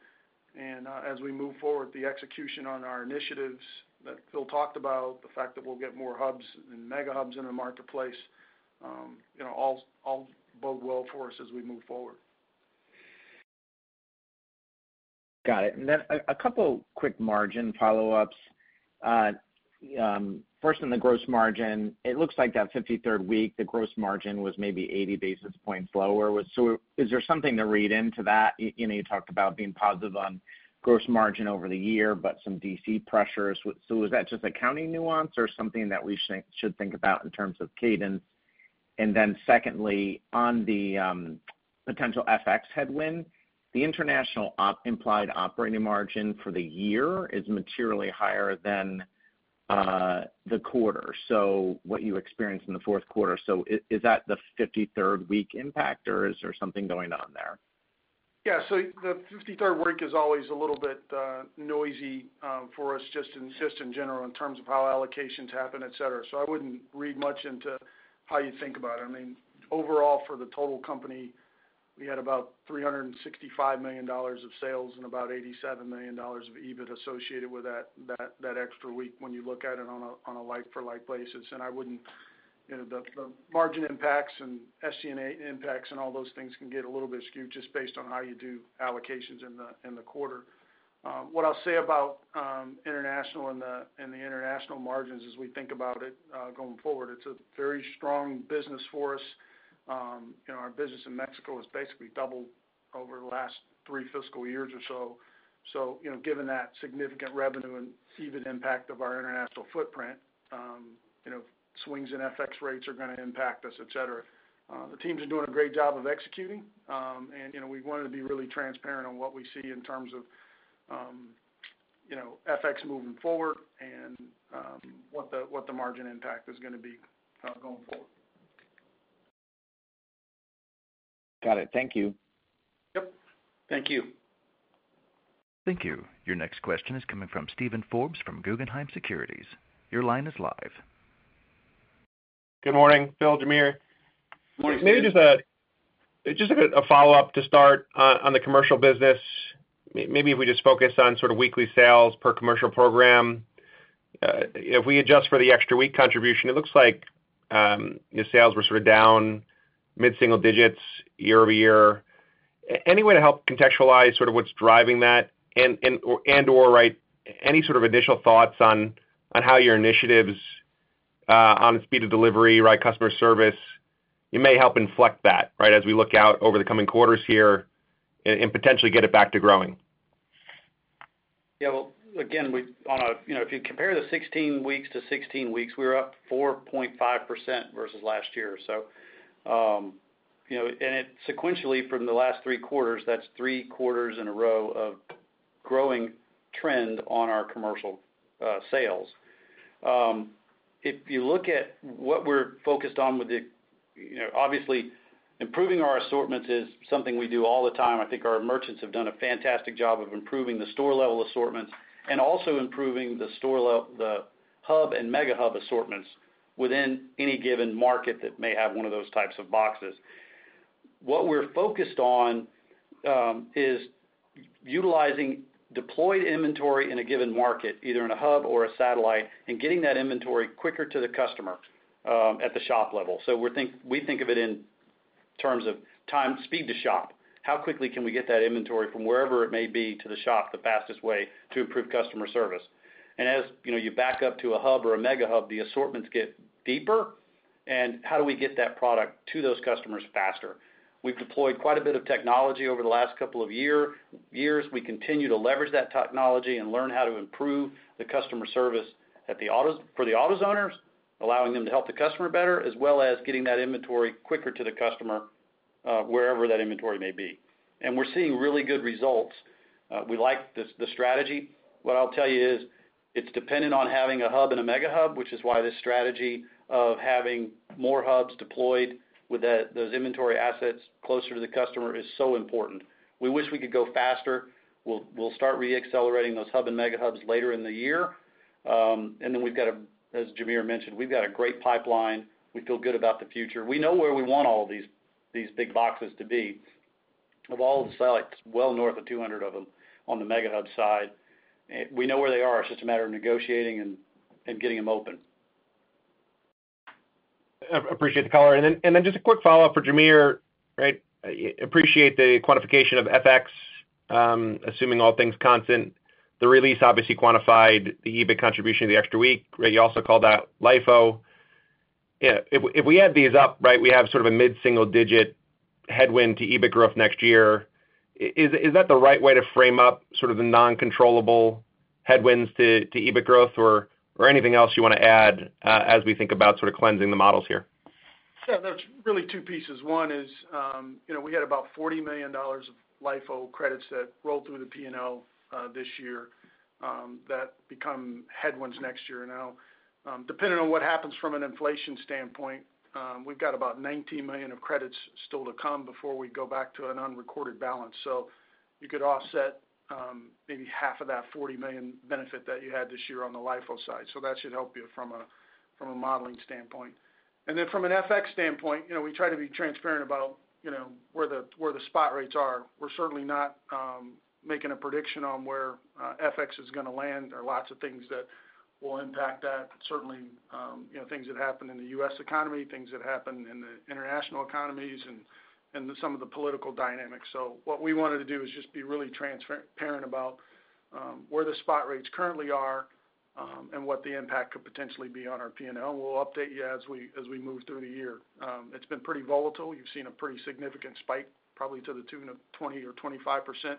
And, as we move forward, the execution on our initiatives that Phil talked about, the fact that we'll get more Hubs and Mega Hubs in the marketplace, you know, all, all bode well for us as we move forward. Got it. And then a couple quick margin follow-ups. First, on the gross margin, it looks like that 53rd week, the gross margin was maybe 80 basis points lower. Is there something to read into that? You know, you talked about being positive on gross margin over the year, but some DC pressures. So is that just accounting nuance or something that we should think about in terms of cadence? And then secondly, on the potential FX headwind, the international implied operating margin for the year is materially higher than the quarter, so what you experienced in the fourth quarter. Is that the 53rd week impact, or is there something going on there? Yeah, so the 53rd week is always a little bit noisy for us, just in, just in general, in terms of how allocations happen, et cetera. So I wouldn't read much into how you think about it. I mean, overall, for the total company, we had about $365 million of sales and about $87 million of EBIT associated with that extra week when you look at it on a like-for-like basis. And I wouldn't. You know, the margin impacts and SG&A impacts and all those things can get a little bit skewed just based on how you do allocations in the quarter. What I'll say about international and the international margins as we think about it going forward, it's a very strong business for us. You know, our business in Mexico has basically doubled over the last three fiscal years or so. So, you know, given that significant revenue and EBIT impact of our international footprint, you know, swings in FX rates are gonna impact us, et cetera. The teams are doing a great job of executing, and you know, we wanted to be really transparent on what we see in terms of, you know, FX moving forward and, what the margin impact is gonna be, going forward. Got it. Thank you. Yep. Thank you. Thank you. Your next question is coming from Steven Forbes from Guggenheim Securities. Your line is live. Good morning, Phil, Jamere. Morning, Steve. Maybe just a follow-up to start on the commercial business. Maybe if we just focus on sort of weekly sales per commercial program. If we adjust for the extra week contribution, it looks like your sales were sort of down mid-single digits year-over-year. Any way to help contextualize sort of what's driving that? And/or right, any sort of additional thoughts on how your initiatives on the speed of delivery, right, customer service, you may help inflect that, right, as we look out over the coming quarters here and potentially get it back to growing. Yeah, well, again. You know, if you compare the 16 weeks to 16 weeks, we were up 4.5% versus last year or so. You know, and it sequentially from the last three quarters, that's three quarters in a row of growing trend on our commercial sales. If you look at what we're focused on with the, you know, obviously, improving our assortments is something we do all the time. I think our merchants have done a fantastic job of improving the store level assortments and also improving the Hub and Mega Hub assortments within any given market that may have one of those types of boxes. What we're focused on is utilizing deployed inventory in a given market, either in a Hub or a satellite, and getting that inventory quicker to the customer at the shop level. So we think of it in terms of time, speed to shop. How quickly can we get that inventory from wherever it may be to the shop, the fastest way to improve customer service? And as you know, you back up to a Hub or a Mega Hub, the assortments get deeper, and how do we get that product to those customers faster? We've deployed quite a bit of technology over the last couple of years. We continue to leverage that technology and learn how to improve the customer service for the AutoZoners, allowing them to help the customer better, as well as getting that inventory quicker to the customer, wherever that inventory may be. And we're seeing really good results. We like this, the strategy. What I'll tell you is, it's dependent on having a Hub and a Mega Hub, which is why this strategy of having more Hubs deployed with that, those inventory assets closer to the customer is so important. We wish we could go faster. We'll start reaccelerating those Hub and Mega Hubs later in the year. And then we've got a, as Jamere mentioned, we've got a great pipeline. We feel good about the future. We know where we want all of these, these big boxes to be. Of all the sites we select, well north of 200 of them on the Mega Hub side. We know where they are. It's just a matter of negotiating and getting them open. Appreciate the color. And then just a quick follow-up for Jamere, right? Appreciate the quantification of FX. Assuming all things constant, the release obviously quantified the EBIT contribution of the extra week. You also called out LIFO. Yeah, if we add these up, right, we have sort of a mid-single digit headwind to EBIT growth next year. Is that the right way to frame up sort of the non-controllable headwinds to EBIT growth or anything else you want to add as we think about sort of cleansing the models here? Yeah, there's really two pieces. One is, you know, we had about $40 million of LIFO credits that rolled through the P&L this year that become headwinds next year. Now, depending on what happens from an inflation standpoint, we've got about $19 million of credits still to come before we go back to an unrecorded balance. So you could offset maybe half of that $40 million benefit that you had this year on the LIFO side. So that should help you from a modeling standpoint. And then from an FX standpoint, you know, we try to be transparent about, you know, where the spot rates are. We're certainly not making a prediction on where FX is gonna land. There are lots of things that will impact that. Certainly, you know, things that happen in the U.S. economy, things that happen in the international economies, and some of the political dynamics. So what we wanted to do is just be really transparent about where the spot rates currently are, and what the impact could potentially be on our P&L. We'll update you as we move through the year. It's been pretty volatile. You've seen a pretty significant spike, probably to the tune of 20% or 25%,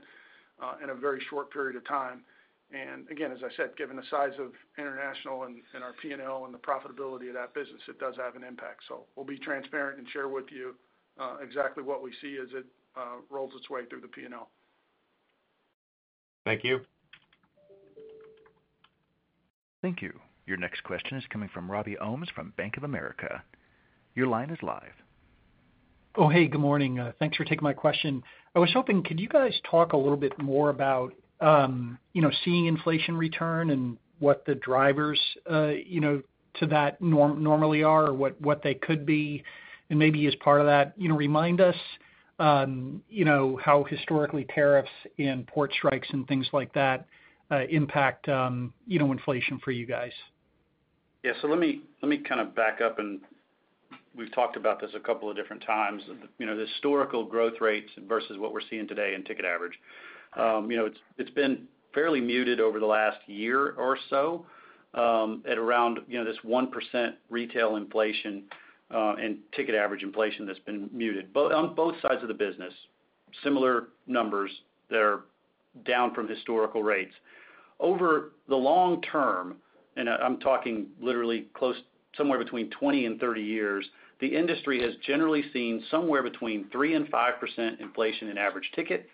in a very short period of time. And again, as I said, given the size of international and our P&L and the profitability of that business, it does have an impact. So we'll be transparent and share with you exactly what we see as it rolls its way through the P&L. Thank you. Thank you. Your next question is coming from Robbie Ohmes, from Bank of America. Your line is live. Oh, hey, good morning. Thanks for taking my question. I was hoping, could you guys talk a little bit more about, you know, seeing inflation return and what the drivers, you know, to that normally are, or what they could be? And maybe as part of that, you know, remind us, you know, how historically tariffs and port strikes and things like that, impact, you know, inflation for you guys. Yeah. So let me, let me kind of back up, and we've talked about this a couple of different times. You know, the historical growth rates versus what we're seeing today in ticket average. You know, it's been fairly muted over the last year or so, at around, you know, this 1% retail inflation, and ticket average inflation that's been muted. Both on both sides of the business, similar numbers that are down from historical rates. Over the long term, I'm talking literally somewhere between 20 and 30 years, the industry has generally seen somewhere between 3%-5% inflation in average ticket,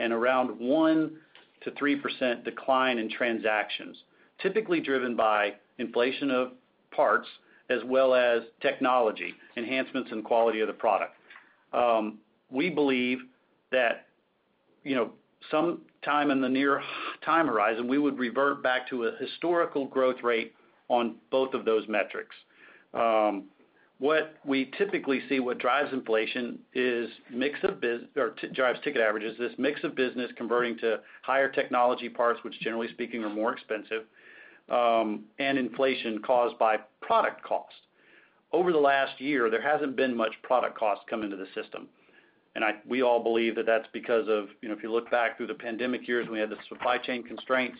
and around 1%-3% decline in transactions, typically driven by inflation of parts as well as technology enhancements and quality of the product. We believe that, you know, some time in the near time horizon, we would revert back to a historical growth rate on both of those metrics. What we typically see what drives inflation is ticket averages, this mix of business converting to higher technology parts, which, generally speaking, are more expensive, and inflation caused by product cost. Over the last year, there hasn't been much product cost come into the system, and we all believe that that's because of, you know, if you look back through the pandemic years, when we had the supply chain constraints,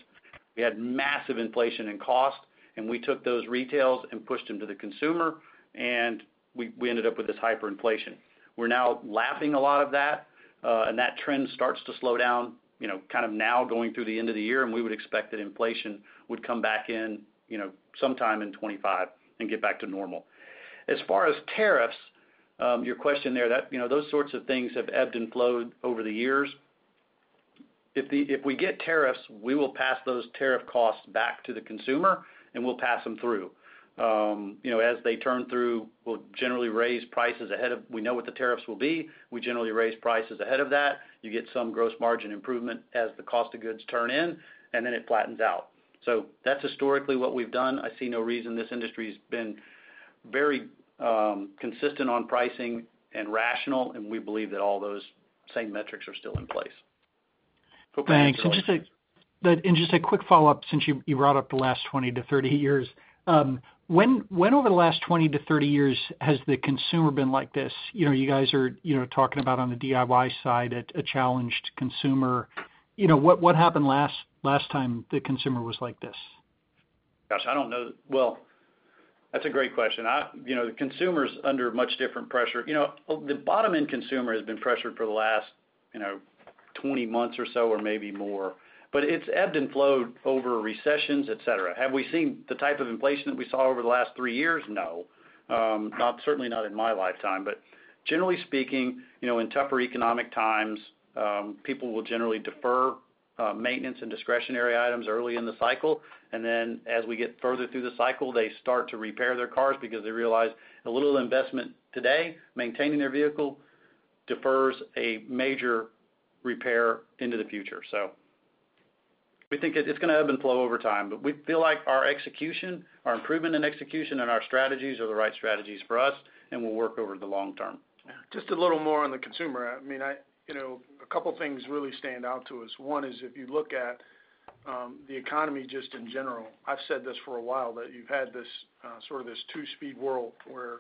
we had massive inflation in cost, and we took those retails and pushed them to the consumer, and we ended up with this hyperinflation. We're now lapping a lot of that, and that trend starts to slow down, you know, kind of now going through the end of the year, and we would expect that inflation would come back in, you know, sometime in 2025 and get back to normal. As far as tariffs, your question there, that, you know, those sorts of things have ebbed and flowed over the years. If we get tariffs, we will pass those tariff costs back to the consumer, and we'll pass them through. You know, as they turn through, we'll generally raise prices ahead of... We know what the tariffs will be, we generally raise prices ahead of that. You get some gross margin improvement as the cost of goods turn in, and then it flattens out. So that's historically what we've done. I see no reason this industry's been very, consistent on pricing and rational, and we believe that all those same metrics are still in place. Thanks. And just a quick follow-up, since you brought up the last 20-30 years. When over the last 20-30 years has the consumer been like this? You know, you guys are, you know, talking about on the DIY side, a challenged consumer. You know, what happened last time the consumer was like this? Gosh, I don't know. That's a great question. You know, the consumer's under much different pressure. You know, the bottom-end consumer has been pressured for the last, you know, 20 months or so, or maybe more, but it's ebbed and flowed over recessions, et cetera. Have we seen the type of inflation that we saw over the last three years? No. Not, certainly not in my lifetime, but generally speaking, you know, in tougher economic times, people will generally defer, maintenance and discretionary items early in the cycle, and then as we get further through the cycle, they start to repair their cars because they realize a little investment today, maintaining their vehicle, defers a major repair into the future. So we think it's gonna ebb and flow over time, but we feel like our execution, our improvement in execution, and our strategies are the right strategies for us, and will work over the long term. Just a little more on the consumer. I mean, You know, a couple of things really stand out to us. One is, if you look at the economy, just in general, I've said this for a while, that you've had this two-speed world where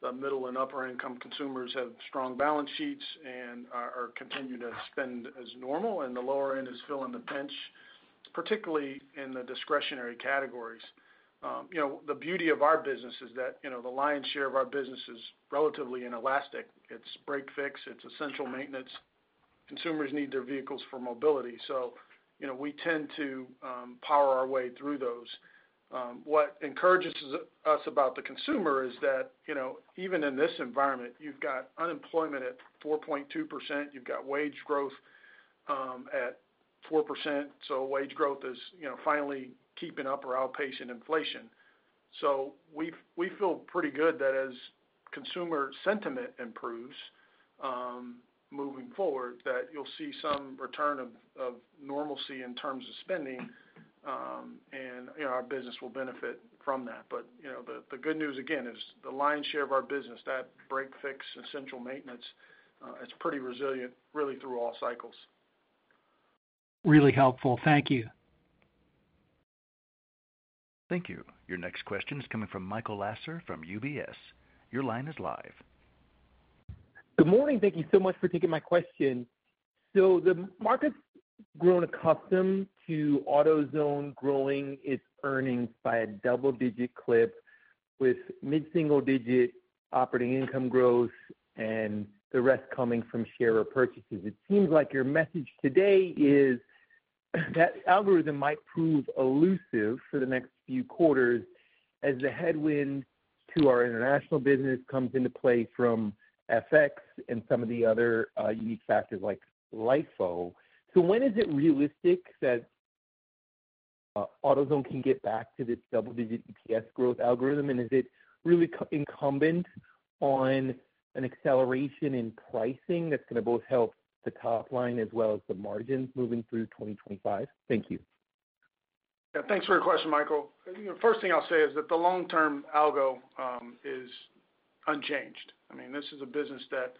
the middle and upper-income consumers have strong balance sheets and are continuing to spend as normal, and the lower end is feeling the pinch, particularly in the discretionary categories. You know, the beauty of our business is that the lion's share of our business is relatively inelastic. It's break-fix, it's essential maintenance. Consumers need their vehicles for mobility, so, you know, we tend to power our way through those. What encourages us about the consumer is that, you know, even in this environment, you've got unemployment at 4.2%, you've got wage growth at 4%, so wage growth is, you know, finally keeping up or outpacing inflation. So we feel pretty good that as consumer sentiment improves, moving forward, that you'll see some return of normalcy in terms of spending, and, you know, our business will benefit from that. But, you know, the good news, again, is the lion's share of our business, that break-fix, essential maintenance, it's pretty resilient, really, through all cycles. Really helpful. Thank you. Thank you. Your next question is coming from Michael Lasser from UBS. Your line is live. Good morning. Thank you so much for taking my question. So the market's grown accustomed to AutoZone growing its earnings by a double-digit clip, with mid-single-digit operating income growth and the rest coming from share repurchases. It seems like your message today is that algorithm might prove elusive for the next few quarters as the headwind to our international business comes into play from FX and some of the other unique factors like LIFO. So when is it realistic that AutoZone can get back to this double-digit EPS growth algorithm? And is it really contingent on an acceleration in pricing that's gonna both help the top line as well as the margins moving through 2025? Thank you. Yeah, thanks for your question, Michael. You know, first thing I'll say is that the long-term algo is unchanged. I mean, this is a business that,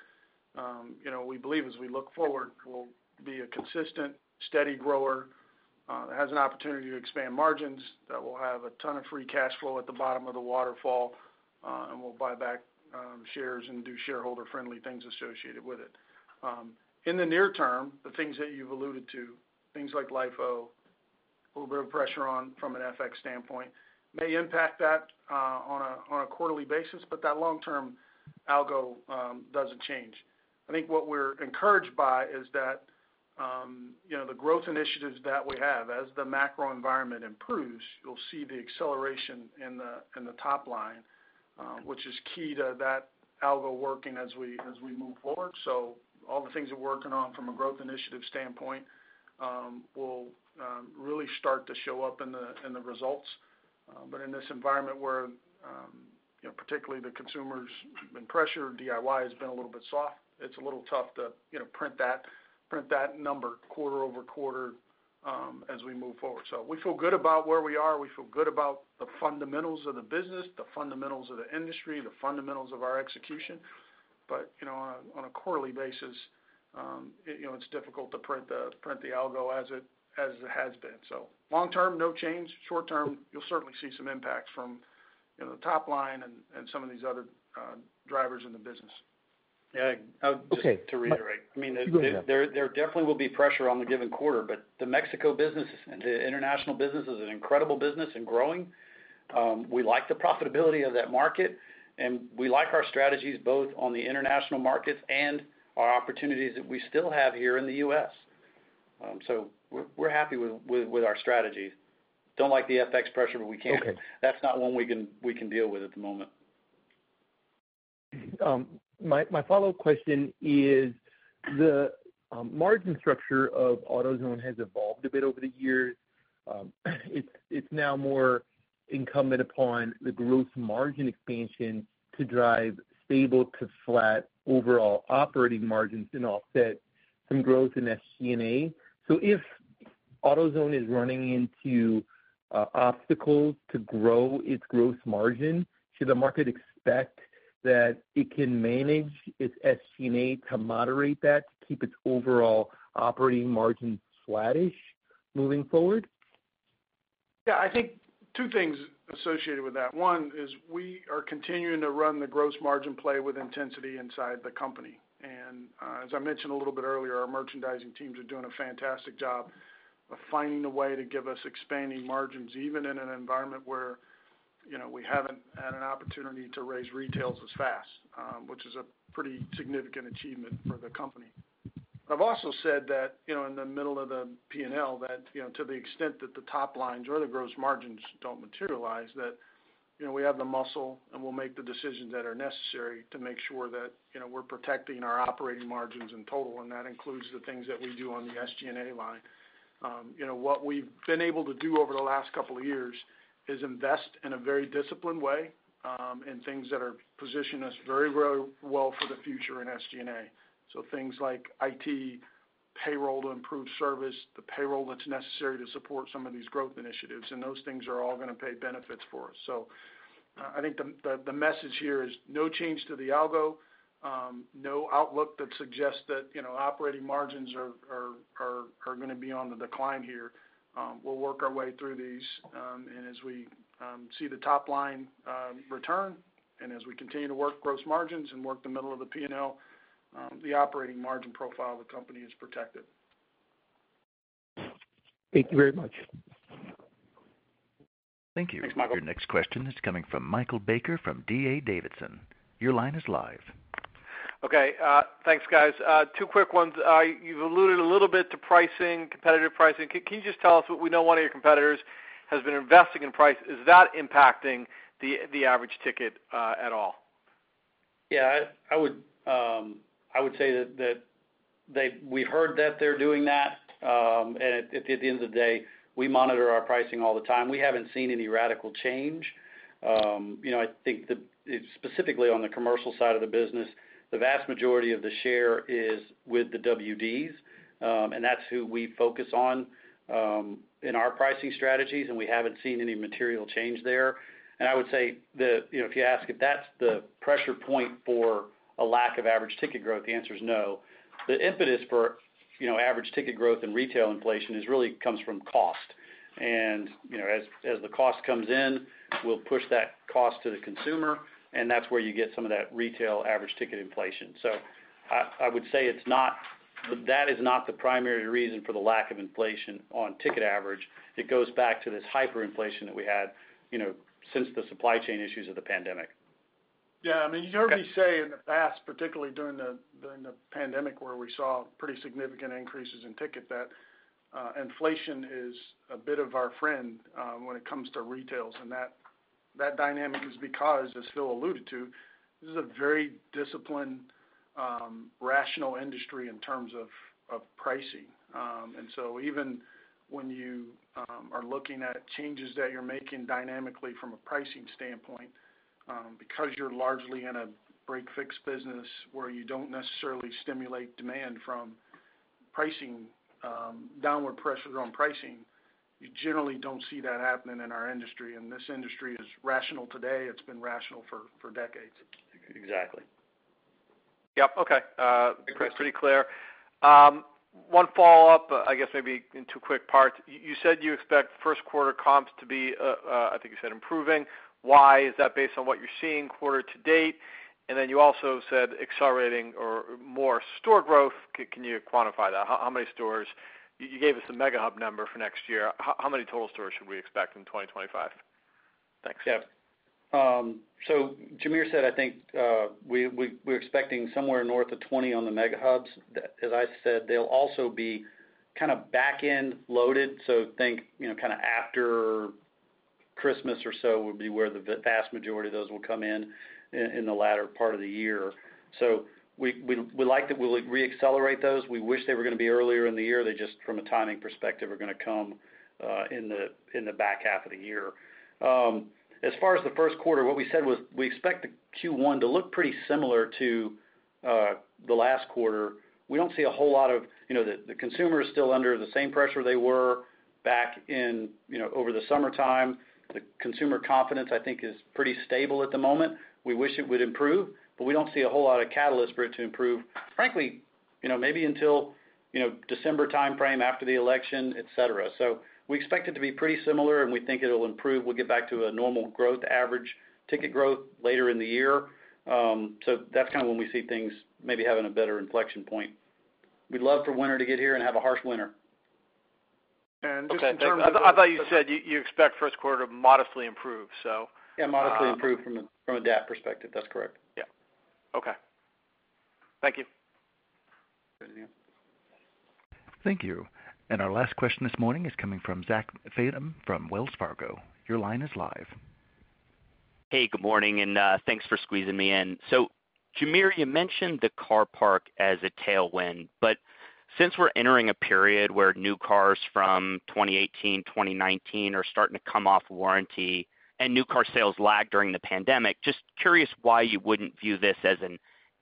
you know, we believe as we look forward, will be a consistent, steady grower, has an opportunity to expand margins, that will have a ton of free cash flow at the bottom of the waterfall, and we'll buy back shares and do shareholder-friendly things associated with it. In the near term, the things that you've alluded to, things like LIFO, a little bit of pressure on from an FX standpoint, may impact that, on a quarterly basis, but that long-term algo doesn't change. I think what we're encouraged by is that, you know, the growth initiatives that we have, as the macro environment improves, you'll see the acceleration in the, in the top line, which is key to that algo working as we, as we move forward, so all the things we're working on from a growth initiative standpoint, will really start to show up in the, in the results, but in this environment where, you know, particularly the consumer's been pressured, DIY has been a little bit soft, it's a little tough to, you know, print that, print that number quarter-over-quarter, as we move forward, so we feel good about where we are. We feel good about the fundamentals of the business, the fundamentals of the industry, the fundamentals of our execution. But, you know, on a quarterly basis, you know, it's difficult to print the algo as it has been. So long term, no change. Short term, you'll certainly see some impacts from, you know, the top line and some of these other drivers in the business. Yeah. Just to reiterate. Okay. Go ahead. I mean, there definitely will be pressure on the given quarter, but the Mexico business and the international business is an incredible business and growing. We like the profitability of that market, and we like our strategies, both on the international markets and our opportunities that we still have here in the US. So we're happy with our strategies. Don't like the FX pressure, but we can't. That's not one we can deal with at the moment. My follow-up question is, the margin structure of AutoZone has evolved a bit over the years. It's now more incumbent upon the gross margin expansion to drive stable to flat overall operating margins and offset some growth in SG&A. So if AutoZone is running into obstacles to grow its gross margin, should the market expect that it can manage its SG&A to moderate that, to keep its overall operating margin flattish moving forward? Yeah, I think two things associated with that. One is we are continuing to run the gross margin play with intensity inside the company, and as I mentioned a little bit earlier, our merchandising teams are doing a fantastic job of finding a way to give us expanding margins, even in an environment where, you know, we haven't had an opportunity to raise retails as fast, which is a pretty significant achievement for the company. I've also said that, you know, in the middle of the P&L, that, you know, to the extent that the top lines or the gross margins don't materialize, that, you know, we have the muscle, and we'll make the decisions that are necessary to make sure that, you know, we're protecting our operating margins in total, and that includes the things that we do on the SG&A line. You know, what we've been able to do over the last couple of years is invest in a very disciplined way in things that are positioning us very well for the future in SG&A. So things like IT, payroll to improve service, the payroll that's necessary to support some of these growth initiatives, and those things are all gonna pay benefits for us. So, I think the message here is no change to the algo, no outlook that suggests that, you know, operating margins are gonna be on the decline here. We'll work our way through these, and as we see the top line return, and as we continue to work gross margins and work the middle of the P&L, the operating margin profile of the company is protected. Thank you very much. Thank you. Thanks, Michael. Your next question is coming from Michael Baker from D.A. Davidson. Your line is live. Okay. Thanks, guys. Two quick ones. You've alluded a little bit to pricing, competitive pricing. Can you just tell us, we know one of your competitors has been investing in price. Is that impacting the average ticket at all? Yeah, I would say that we heard that they're doing that, and at the end of the day, we monitor our pricing all the time. We haven't seen any radical change. You know, I think specifically on the commercial side of the business, the vast majority of the share is with the WDs, and that's who we focus on in our pricing strategies, and we haven't seen any material change there. And I would say that, you know, if you ask if that's the pressure point for a lack of average ticket growth, the answer is no. The impetus for, you know, average ticket growth and retail inflation is really comes from cost. And, you know, as the cost comes in, we'll push that cost to the consumer, and that's where you get some of that retail average ticket inflation. So I would say it's not, that is not the primary reason for the lack of inflation on ticket average. It goes back to this hyperinflation that we had, you know, since the supply chain issues of the pandemic. Yeah, I mean, you heard me say in the past, particularly during the pandemic, where we saw pretty significant increases in ticket, that inflation is a bit of our friend when it comes to retail. And that dynamic is because, as Phil alluded to, this is a very disciplined rational industry in terms of pricing. And so even when you are looking at changes that you are making dynamically from a pricing standpoint, because you are largely in a break-fix business where you do not necessarily stimulate demand from pricing downward pressures on pricing, you generally do not see that happening in our industry. And this industry is rational today. It has been rational for decades. Exactly. Yep. Okay. Pretty clear. One follow-up, I guess maybe in two quick parts. You said you expect first quarter comps to be, I think you said improving. Why? Is that based on what you're seeing quarter to date? And then you also said accelerating or more store growth. Can you quantify that? How many stores? You gave us a Mega Hub number for next year. How many total stores should we expect in 2025? Thanks. Yeah. So Jamere said, I think, we're expecting somewhere north of 20 on the Mega Hubs. As I said, they'll also be kind of back-end loaded, so think, you know, kind of after Christmas or so would be where the vast majority of those will come in in the latter part of the year. So we like that we'll reaccelerate those. We wish they were gonna be earlier in the year. They just, from a timing perspective, are gonna come in the back half of the year. As far as the first quarter, what we said was we expect the Q1 to look pretty similar to the last quarter. We don't see a whole lot of... You know, the consumer is still under the same pressure they were back in, you know, over the summertime. The consumer confidence, I think, is pretty stable at the moment. We wish it would improve, but we don't see a whole lot of catalyst for it to improve, frankly, you know, maybe until, you know, December timeframe, after the election, et cetera. So we expect it to be pretty similar, and we think it'll improve. We'll get back to a normal growth average, ticket growth later in the year. So that's kind of when we see things maybe having a better inflection point. We'd love for winter to get here and have a harsh winter. Just in terms of- I thought you said you expect first quarter to modestly improve, so. Yeah, modestly improve from a DAP perspective. That's correct. Yeah. Okay. Thank you. Thank you. Our last question this morning is coming from Zach Fadem from Wells Fargo. Your line is live. Hey, good morning, and thanks for squeezing me in. So Jamere, you mentioned the car park as a tailwind, but since we're entering a period where new cars from 2018, 2019 are starting to come off warranty and new car sales lagged during the pandemic, just curious why you wouldn't view this as an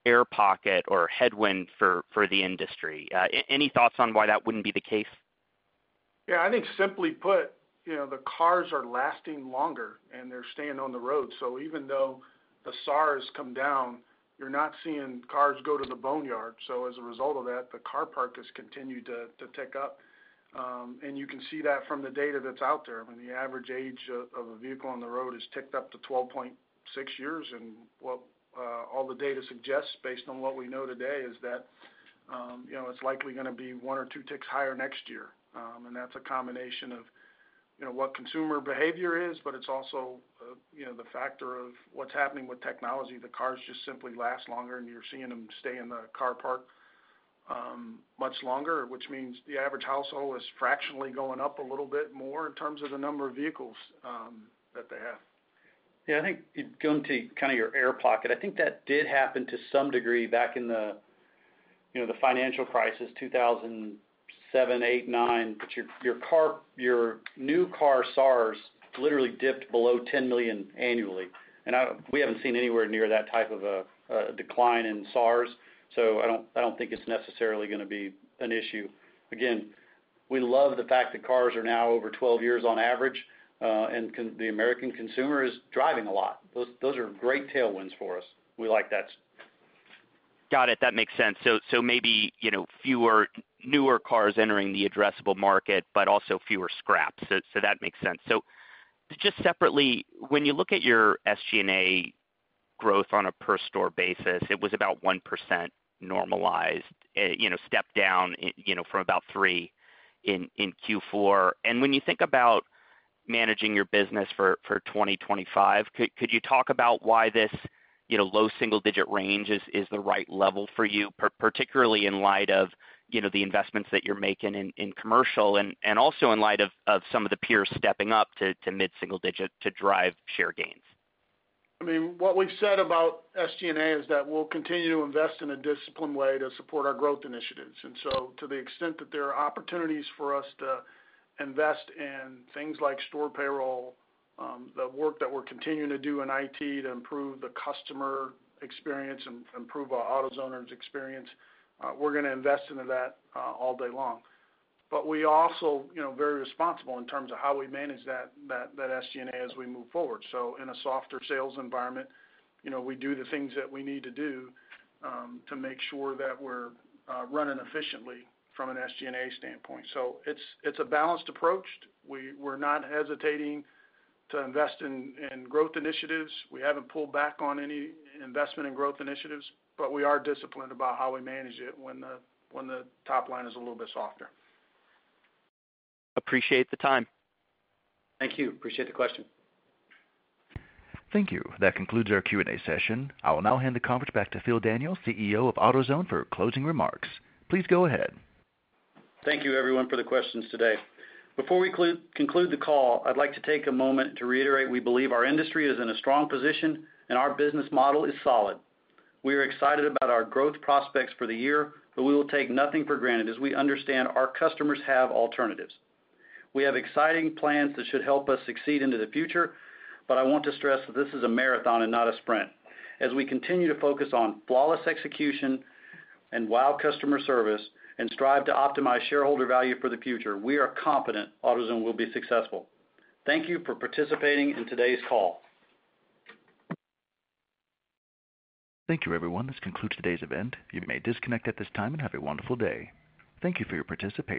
air pocket or headwind for the industry. Any thoughts on why that wouldn't be the case? Yeah, I think simply put, you know, the cars are lasting longer, and they're staying on the road. Even though the SAAR comes down, you're not seeing cars go to the boneyard. As a result of that, the car park has continued to tick up. And you can see that from the data that's out there. I mean, the average age of a vehicle on the road has ticked up to 12.6 years, and what all the data suggests, based on what we know today, is that, you know, it's likely gonna be one or two ticks higher next year. And that's a combination of, you know, what consumer behavior is, but it's also, you know, the factor of what's happening with technology. The cars just simply last longer, and you're seeing them stay in the car park much longer, which means the average household is fractionally going up a little bit more in terms of the number of vehicles that they have. Yeah, I think going to kind of your air pocket, I think that did happen to some degree back in the, you know, the financial crisis, 2007, 2008, 2009. But your new car SAAR literally dipped below 10 million annually, and I... We haven't seen anywhere near that type of a decline in SAAR, so I don't think it's necessarily gonna be an issue. Again, we love the fact that cars are now over 12 years on average, and the American consumer is driving a lot. Those are great tailwinds for us. We like that. Got it. That makes sense. So maybe, you know, fewer newer cars entering the addressable market, but also fewer scraps. So that makes sense. Just separately, when you look at your SG&A growth on a per store basis, it was about 1% normalized, you know, stepped down, you know, from about 3% in Q4. And when you think about managing your business for 2025, could you talk about why this, you know, low single-digit range is the right level for you, particularly in light of, you know, the investments that you're making in commercial and also in light of some of the peers stepping up to mid-single digit to drive share gains? I mean, what we've said about SG&A is that we'll continue to invest in a disciplined way to support our growth initiatives. And so to the extent that there are opportunities for us to invest in things like store payroll, the work that we're continuing to do in IT to improve the customer experience and improve our AutoZoners experience, we're gonna invest into that, all day long. But we also, you know, very responsible in terms of how we manage that SG&A as we move forward. So in a softer sales environment, you know, we do the things that we need to do, to make sure that we're running efficiently from an SG&A standpoint. So it's a balanced approach. We're not hesitating to invest in growth initiatives. We haven't pulled back on any investment in growth initiatives, but we are disciplined about how we manage it when the top line is a little bit softer. Appreciate the time. Thank you. Appreciate the question. Thank you. That concludes our Q&A session. I will now hand the conference back to Phil Daniele, CEO of AutoZone, for closing remarks. Please go ahead. Thank you, everyone, for the questions today. Before we conclude the call, I'd like to take a moment to reiterate we believe our industry is in a strong position and our business model is solid. We are excited about our growth prospects for the year, but we will take nothing for granted, as we understand our customers have alternatives. We have exciting plans that should help us succeed into the future, but I want to stress that this is a marathon and not a sprint. As we continue to focus on flawless execution and WOW! Customer Service and strive to optimize shareholder value for the future, we are confident AutoZone will be successful. Thank you for participating in today's call. Thank you, everyone. This concludes today's event. You may disconnect at this time, and have a wonderful day. Thank you for your participation.